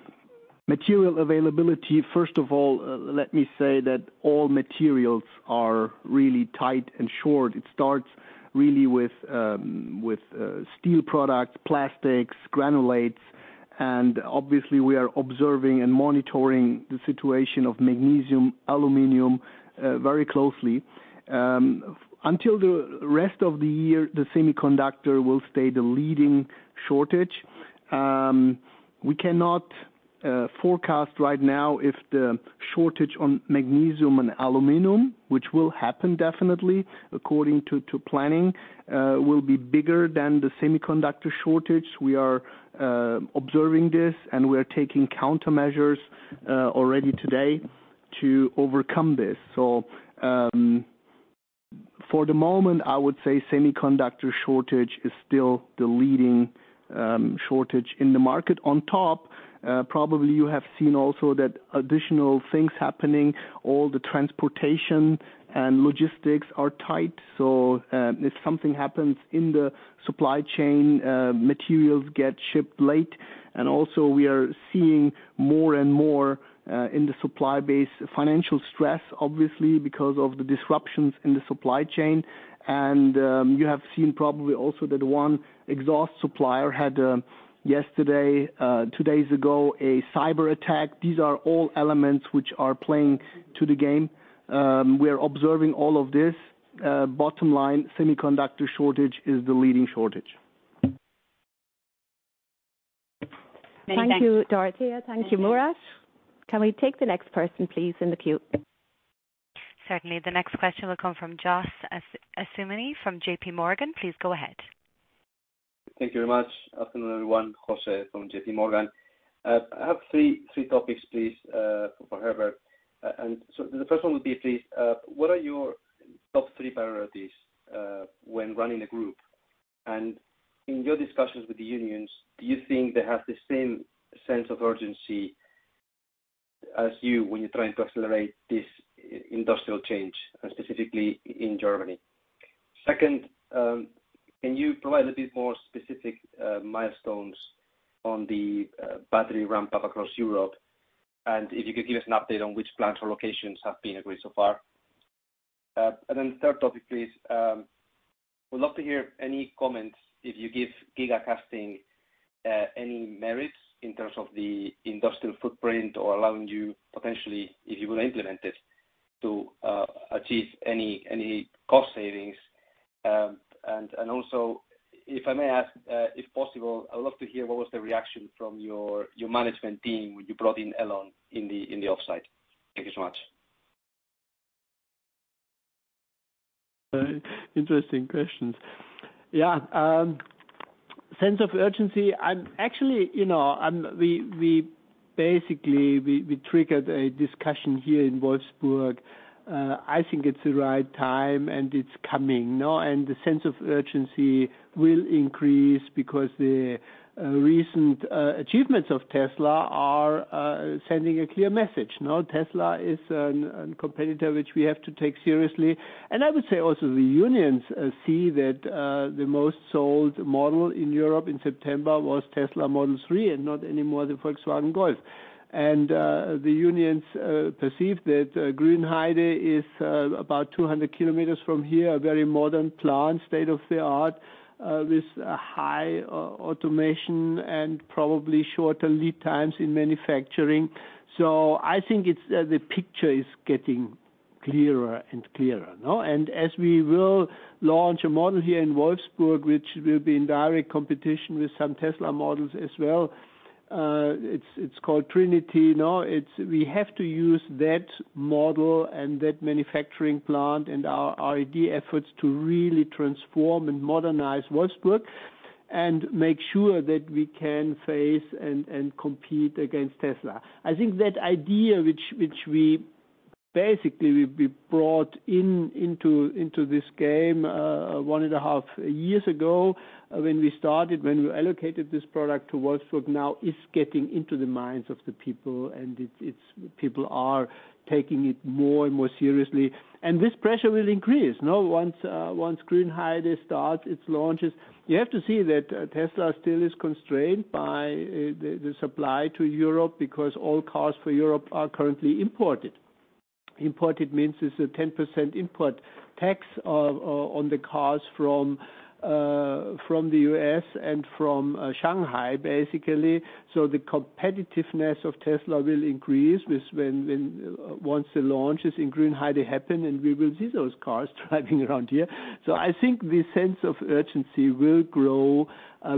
material availability, first of all, let me say that all materials are really tight and short. It starts really with steel products, plastics, granulates, and obviously we are observing and monitoring the situation of magnesium, aluminum very closely. Until the rest of the year, the semiconductor will stay the leading shortage. We cannot forecast right now if the shortage on magnesium and aluminum, which will happen definitely according to planning, will be bigger than the semiconductor shortage. We are observing this, and we are taking countermeasures already today to overcome this. For the moment, I would say semiconductor shortage is still the leading shortage in the market. On top, probably you have seen also that additional things happening, all the transportation and logistics are tight. If something happens in the supply chain, materials get shipped late. We are seeing more and more in the supply base financial stress, obviously, because of the disruptions in the supply chain. You have seen probably also that one exhaust supplier had, yesterday, two days ago, a cyberattack. These are all elements which are playing to the game. We are observing all of this. Bottom line, semiconductor shortage is the leading shortage. Many thanks. Thank you, Dorothee. Thank you, Murat. Can we take the next person, please, in the queue? Certainly. The next question will come from José Asumendi from J.P. Morgan. Please go ahead. Thank you very much. Afternoon, everyone. José Asumendi from J.P. Morgan. I have three topics, please, for Herbert. The first one would be, please, what are your top three priorities when running a group? In your discussions with the unions, do you think they have the same sense of urgency as you when you're trying to accelerate this industrial change, and specifically in Germany? Second, can you provide a bit more specific milestones on the battery ramp up across Europe? If you could give us an update on which plants or locations have been agreed so far, and then the third topic please. I would love to hear any comments if you give gigacasting any merits in terms of the industrial footprint or allowing you potentially, if you will implement it, to achieve any cost savings. Also, if I may ask, if possible, I would love to hear what was the reaction from your management team when you brought in Elon in the offsite. Thank you so much. Interesting questions. Yeah. Sense of urgency. I'm actually, you know, we basically triggered a discussion here in Wolfsburg. I think it's the right time, and it's coming. No? The sense of urgency will increase because the recent achievements of Tesla are sending a clear message. You know, Tesla is a competitor which we have to take seriously. I would say also the unions see that the most sold model in Europe in September was Tesla Model three, and not anymore the Volkswagen Golf. The unions perceive that Grünheide is about 200 kilometers from here, a very modern plant, state-of-the-art, with high automation and probably shorter lead times in manufacturing. I think the picture is getting clearer and clearer, no? As we will launch a model here in Wolfsburg, which will be in direct competition with some Tesla models as well, it's called Trinity. We have to use that model and that manufacturing plant and our R&D efforts to really transform and modernize Wolfsburg and make sure that we can face and compete against Tesla. I think that idea, which we basically brought into this game one and a half years ago when we started when we allocated this product to Wolfsburg, now is getting into the minds of the people, and people are taking it more and more seriously. This pressure will increase once Grünheide starts its launches. You have to see that, Tesla still is constrained by, the supply to Europe because all cars for Europe are currently imported. Imported means it's a 10% import tax, on the cars from the U.S. and from Shanghai, basically. The competitiveness of Tesla will increase once the launches in Grünheide happen, and we will see those cars driving around here. I think the sense of urgency will grow.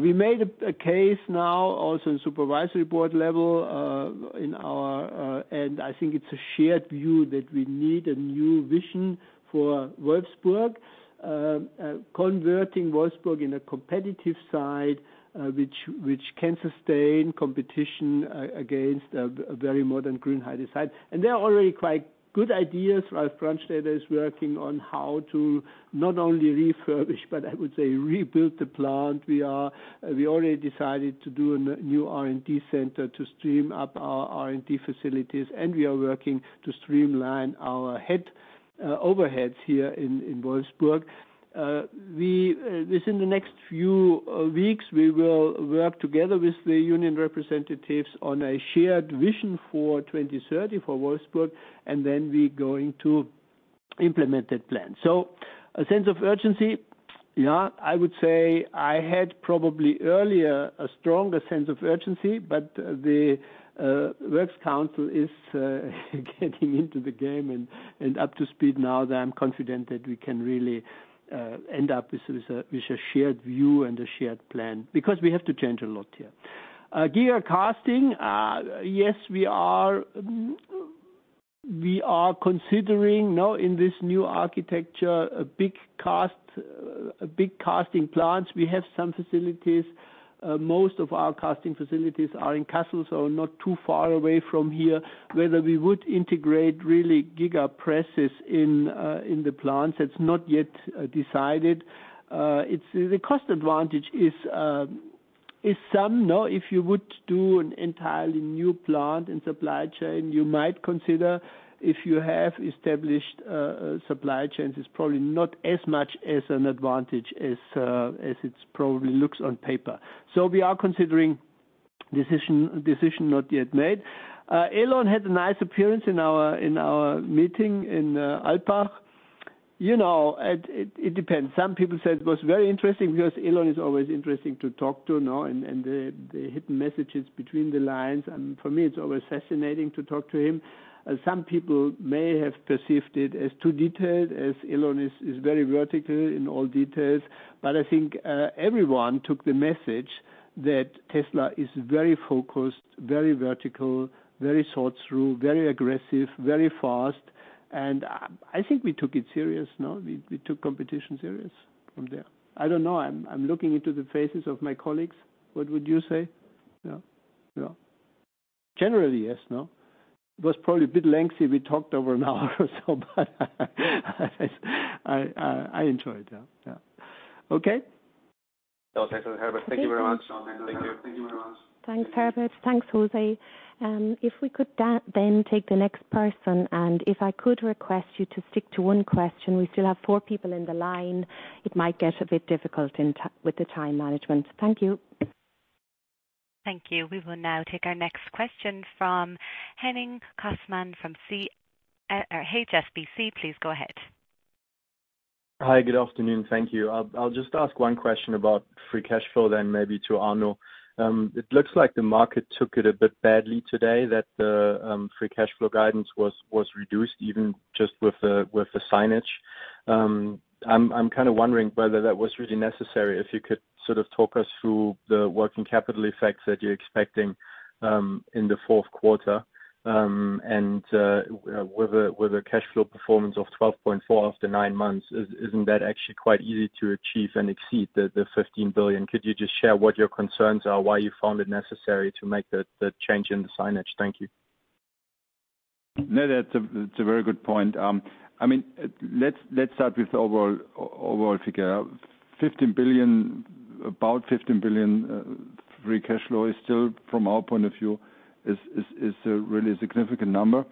We made a case now also in supervisory board level, in our. I think it's a shared view that we need a new vision for Wolfsburg, converting Wolfsburg in a competitive site, which can sustain competition against a very modern Grünheide site. There are already quite good ideas. Ralf Brandstätter is working on how to not only refurbish, but I would say rebuild the plant. We already decided to do a new R&D center to step up our R&D facilities, and we are working to streamline our overheads here in Wolfsburg. Within the next few weeks, we will work together with the union representatives on a shared vision for 2030 for Wolfsburg, and then we going to implement that plan. A sense of urgency. Yeah, I would say I had probably earlier a stronger sense of urgency, but the works council is getting into the game and up to speed now that I'm confident that we can really end up with a shared view and a shared plan, because we have to change a lot here. Gigacasting. Yes, we are considering now in this new architecture a big casting plant. We have some facilities. Most of our casting facilities are in Kassel, so not too far away from here. Whether we would integrate really giga presses in the plant, that's not yet decided. It's the cost advantage is some. No, if you would do an entirely new plant and supply chain, you might consider if you have established supply chains, it's probably not as much as an advantage as it probably looks on paper. We are considering. Decision not yet made. Elon had a nice appearance in our meeting in Alpbach. You know, it depends. Some people said it was very interesting because Elon is always interesting to talk to, no? The hidden messages between the lines. For me, it's always fascinating to talk to him. Some people may have perceived it as too detailed, as Elon is very vertical in all details. I think everyone took the message that Tesla is very focused, very vertical, very thought through, very aggressive, very fast. I think we took it serious. No? We took competition serious from there. I don't know. I'm looking into the faces of my colleagues. What would you say? Yeah. Yeah. Generally, yes, no? It was probably a bit lengthy. We talked over an hour or so, but I enjoyed that. Yeah. Okay. Oh, thanks Herbert. Thank you very much. Thank you. Thank you very much. Thanks, Herbert. Thanks, José. If we could then take the next person, and if I could request you to stick to one question, we still have four people in the line. It might get a bit difficult in terms of the time management. Thank you. Thank you. We will now take our next question from Henning Cosman from HSBC. Please go ahead. Hi. Good afternoon. Thank you. I'll just ask one question about free cash flow, then maybe to Arno. It looks like the market took it a bit badly today that the free cash flow guidance was reduced, even just with the signaling. I'm kinda wondering whether that was really necessary. If you could sort of talk us through the working capital effects that you're expecting in the fourth quarter, and with the cash flow performance of 12.4 billion after nine months, isn't that actually quite easy to achieve and exceed the 15 billion? Could you just share what your concerns are, why you found it necessary to make the change in the signaling? Thank you. No, that's a very good point. I mean, let's start with overall figure. About 15 billion free cash flow is still from our point of view a really significant number.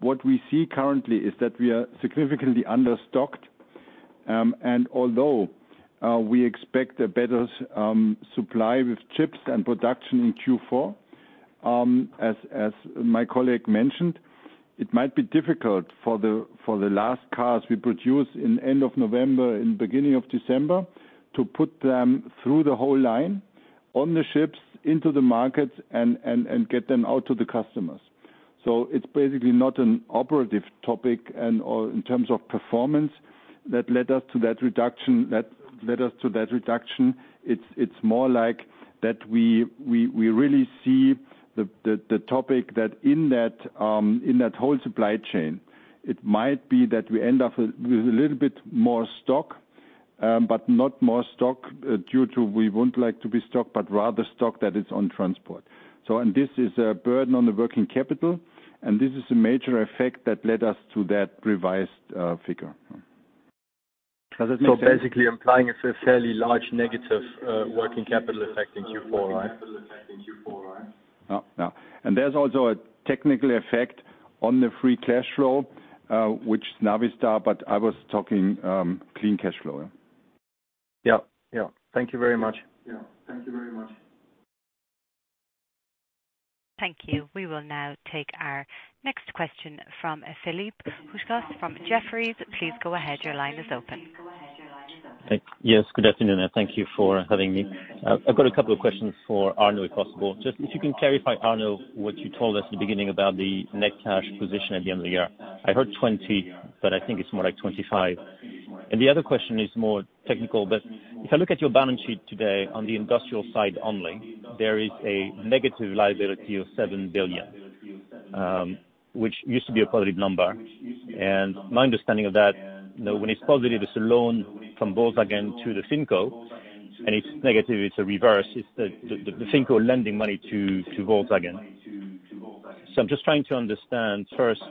What we see currently is that we are significantly understocked, and although we expect a better supply with chips and production in Q4, as my colleague mentioned, it might be difficult for the last cars we produce in end of November and beginning of December to put them through the whole line on the ships into the markets and get them out to the customers. So it's basically not an operative topic or in terms of performance that led us to that reduction. It's more like that we really see the topic that in that whole supply chain, it might be that we end up with a little bit more stock, but not more stock due to we won't like to be stock but rather stock that is on transport. This is a burden on the working capital, and this is a major effect that led us to that revised figure. Basically implying it's a fairly large negative, working capital effect in Q4, right? No. There's also a technical effect on the free cash flow, but I was talking clean cash flow. Yeah. Yeah. Thank you very much. Thank you. We will now take our next question from Philippe Houchois from Jefferies. Please go ahead. Your line is open. Yes, good afternoon, and thank you for having me. I've got a couple of questions for Arno, if possible. Just if you can clarify, Arno, what you told us at the beginning about the net cash position at the end of the year. I heard 20, but I think it's more like 25. The other question is more technical, but if I look at your balance sheet today on the industrial side only, there is a negative liability of 7 billion, which used to be a positive number. My understanding of that, you know, when it's positive, it's a loan from Volkswagen to the FinCO, and it's negative, it's a reverse. It's the FinCO lending money to Volkswagen. I'm just trying to understand first,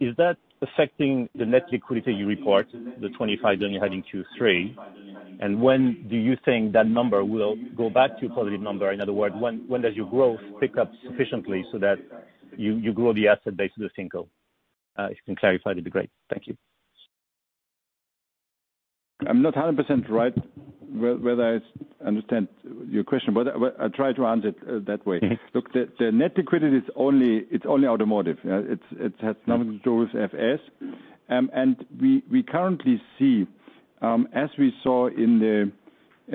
is that affecting the net liquidity you report, the 25 billion you had in Q3? When do you think that number will go back to a positive number? In other words, when does your growth pick up sufficiently so that you grow the asset base of the FinCO? If you can clarify, that'd be great. Thank you. I'm not 100% sure whether I understand your question, but I'll try to answer it that way. Okay. Look, the net liquidity is only. It's only automotive. It has nothing to do with FS. We currently see, as we saw in the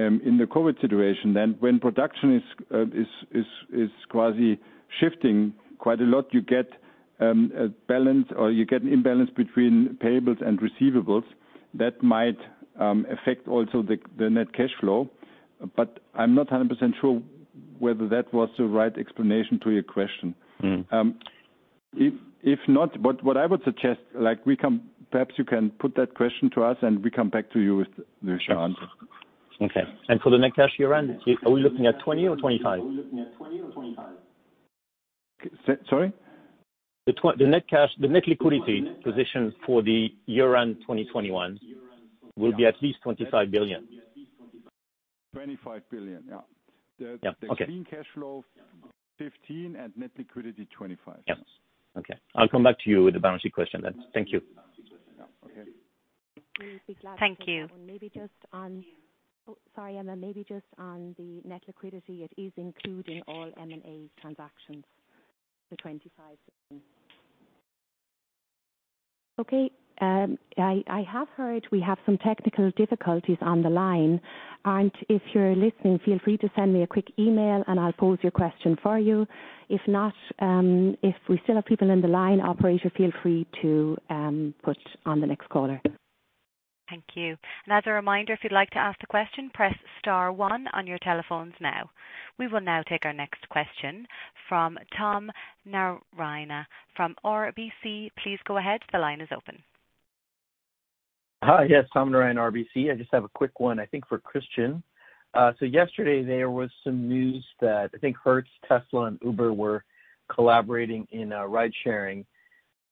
COVID situation, then when production is quasi-shifting quite a lot, you get a balance or you get an imbalance between payables and receivables that might affect also the net cash flow. I'm not 100% sure whether that was the right explanation to your question. Mm. If not, what I would suggest, perhaps you can put that question to us, and we come back to you with the short answer. Okay. For the net cash year-end, are we looking at 20 or 25? Sorry? The net cash, the net liquidity position for the year-end 2021 will be at least 25 billion. 25 billion, yeah. Yeah. Okay. The clean cash flow, 15, and net liquidity, 25. Yeah. Okay. I'll come back to you with the balance sheet question then. Thank you. Yeah. Okay. We'll be glad to take that one. Thank you. Oh, sorry, Emma. Maybe just on the net liquidity. It is including all M&A transactions, the 25 billion. Okay. I have heard we have some technical difficulties on the line. If you're listening, feel free to send me a quick email, and I'll pose your question for you. If not, if we still have people in the line, operator, feel free to put on the next caller. Thank you. As a reminder, if you'd like to ask a question, press star one on your telephones now. We will now take our next question from Tom Narayan from RBC. Please go ahead. The line is open. Hi. Yes, Tom Narayan, RBC. I just have a quick one, I think, for Christian. So yesterday there was some news that I think Hertz, Tesla, and Uber were collaborating in ridesharing.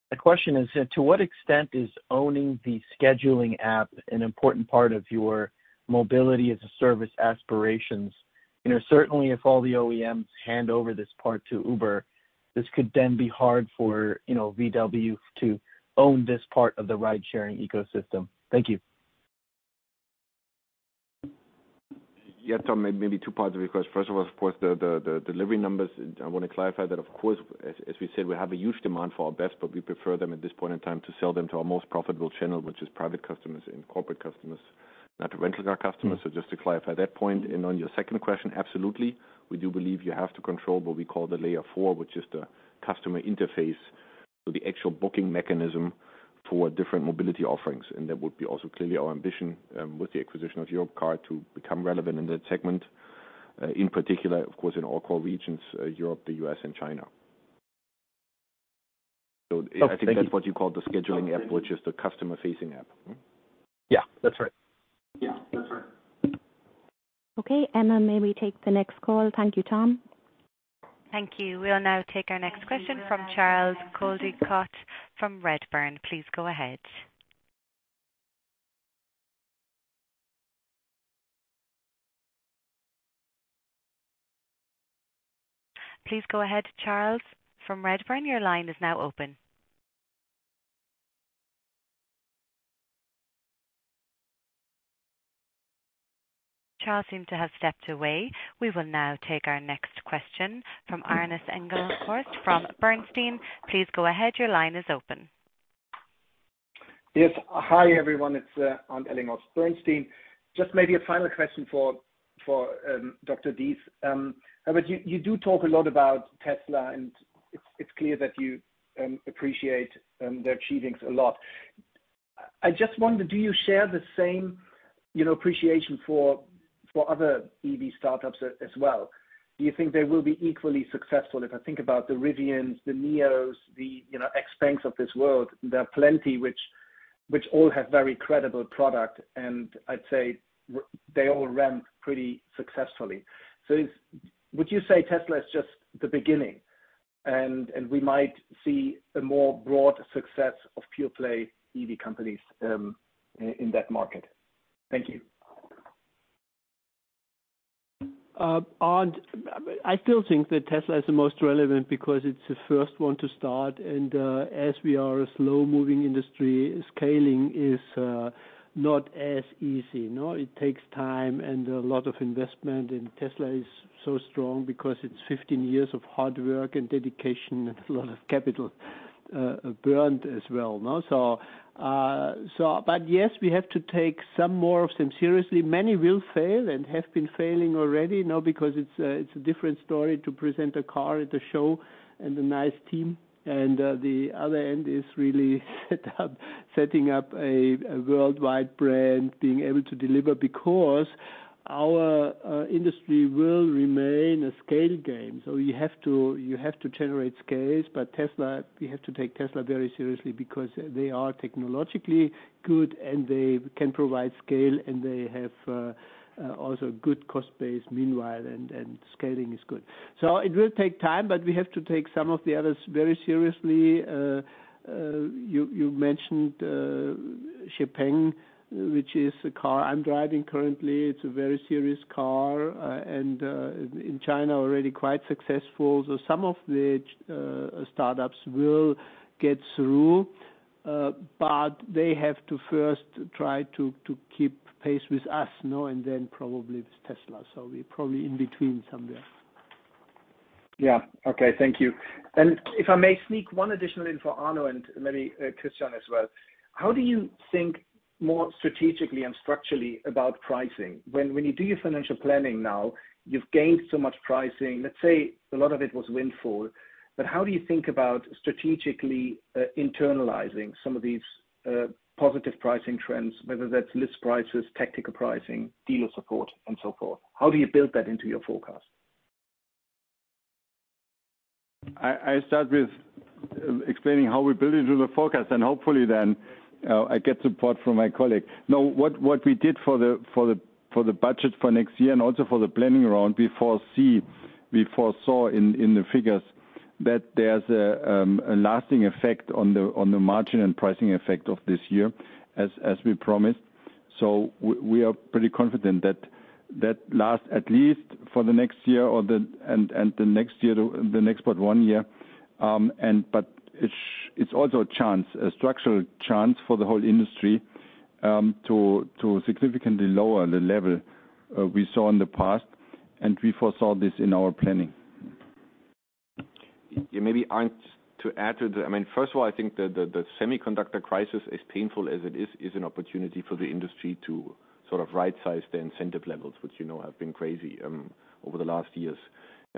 The question is, to what extent is owning the scheduling app an important part of your mobility as a service aspirations? You know, certainly if all the OEMs hand over this part to Uber. This could then be hard for, you know, VW to own this part of the ridesharing ecosystem. Thank you. Yeah, Tom, maybe two parts of your question. First of all, of course, the delivery numbers. I wanna clarify that, of course, as we said, we have a huge demand for our BEV, but we prefer them, at this point in time, to sell them to our most profitable channel, which is private customers and corporate customers, not rental car customers. Just to clarify that point. On your second question, absolutely. We do believe you have to control what we call the layer four, which is the customer interface or the actual booking mechanism for different mobility offerings. That would be also clearly our ambition, with the acquisition of Europcar to become relevant in that segment, in particular, of course, in all core regions, Europe, the U.S. and China. Oh, thank you. I think that's what you call the scheduling app, which is the customer-facing app. Yeah, that's right. Okay. Emma, may we take the next call? Thank you, Tom. Thank you. We'll now take our next question from Charles Coldicott from Redburn. Please go ahead. Please go ahead, Charles from Redburn. Your line is now open. Charles seems to have stepped away. We will now take our next question from Arndt Ellinghorst from Bernstein. Please go ahead. Your line is open. Yes. Hi, everyone. It's Arndt Ellinghorst, Bernstein. Just maybe a final question for Dr. Diess. But you do talk a lot about Tesla, and it's clear that you appreciate their achievements a lot. I just wonder, do you share the same, you know, appreciation for other EV startups as well? Do you think they will be equally successful? If I think about the Rivians, the NIOs, the, you know, XPengs of this world, there are plenty which all have very credible product, and I'd say they all ramp pretty successfully. Would you say Tesla is just the beginning and we might see a more broad success of pure-play EV companies in that market? Thank you. Arnd, I still think that Tesla is the most relevant because it's the first one to start. As we are a slow-moving industry, scaling is not as easy, you know? It takes time and a lot of investment. Tesla is so strong because it's 15 years of hard work and dedication and a lot of capital burned as well, you know? But yes, we have to take some more of them seriously. Many will fail and have been failing already, you know, because it's a different story to present a car at a show and a nice team, and the other end is really setting up a worldwide brand, being able to deliver, because our industry will remain a scale game. You have to generate scales. Tesla, we have to take Tesla very seriously because they are technologically good, and they can provide scale, and they have also good cost base meanwhile, and scaling is good. It will take time, but we have to take some of the others very seriously. You mentioned XPeng, which is a car I'm driving currently. It's a very serious car, and in China already quite successful. Some of the startups will get through, but they have to first try to keep pace with us, you know, and then probably with Tesla. We're probably in between somewhere. Yeah. Okay. Thank you. If I may sneak one additional in for Arno and maybe Christian as well. How do you think more strategically and structurally about pricing? When you do your financial planning now, you've gained so much pricing. Let's say a lot of it was windfall. How do you think about strategically internalizing some of these positive pricing trends, whether that's list prices, tactical pricing, dealer support and so forth? How do you build that into your forecast? I start with explaining how we build into the forecast, and hopefully then I get support from my colleague. No, what we did for the budget for next year and also for the planning round, we foresaw in the figures that there's a lasting effect on the margin and pricing effect of this year, as we promised. We are pretty confident that lasts at least for the next year or the and the next year, the next but one year. But it's also a chance, a structural chance for the whole industry to significantly lower the level we saw in the past, and we foresaw this in our planning. Yeah, maybe Arnd to add to the. I mean, first of all, I think the semiconductor crisis, as painful as it is an opportunity for the industry to sort of right-size the incentive levels, which, you know, have been crazy over the last years.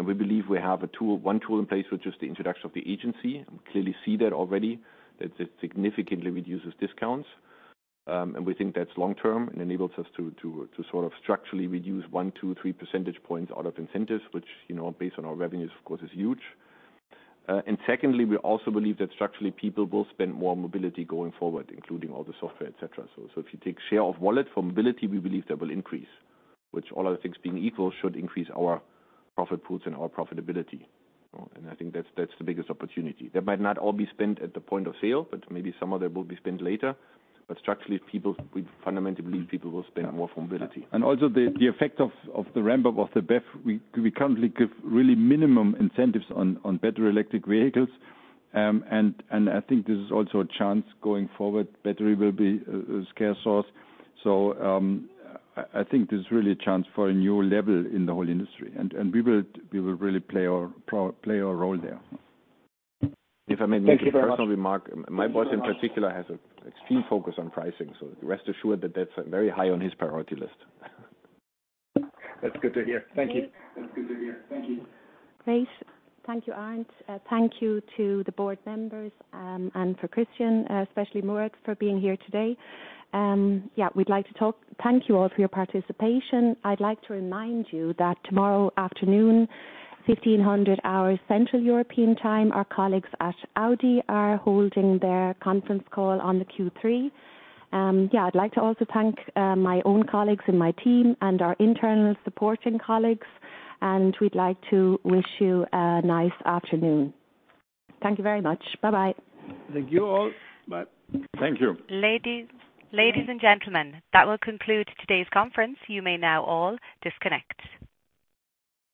We believe we have a tool, one tool in place, which is the introduction of the agency. We clearly see that already, that it significantly reduces discounts. We think that's long term and enables us to sort of structurally reduce 1, 2, 3 percentage points out of incentives, which, you know, based on our revenues, of course, is huge. Secondly, we also believe that structurally people will spend more on mobility going forward, including all the software, et cetera. If you take share of wallet for mobility, we believe that will increase, which all other things being equal, should increase our profit pools and our profitability. I think that's the biggest opportunity. That might not all be spent at the point of sale, but maybe some of that will be spent later. Structurally, people, we fundamentally believe people will spend more for mobility. Also the effect of the ramp up of the BEV, we currently give really minimum incentives on battery electric vehicles. I think this is also a chance going forward. Battery will be a scarce source. I think there's really a chance for a new level in the whole industry. We will really play our role there. If I may make a personal remark. My boss in particular has an extreme focus on pricing, so rest assured that that's very high on his priority list. That's good to hear. Thank you. Great. Thank you, Arndt. Thank you to the board members, and for Christian, especially Moritz, for being here today. Thank you all for your participation. I'd like to remind you that tomorrow afternoon, 3:00 P.M. Central European Time, our colleagues at Audi are holding their conference call on the Q3. I'd like to also thank my own colleagues and my team and our internal supporting colleagues, and we'd like to wish you a nice afternoon. Thank you very much. Bye-bye. Thank you all. Bye. Thank you. Ladies and gentlemen, that will conclude today's conference. You may now all disconnect.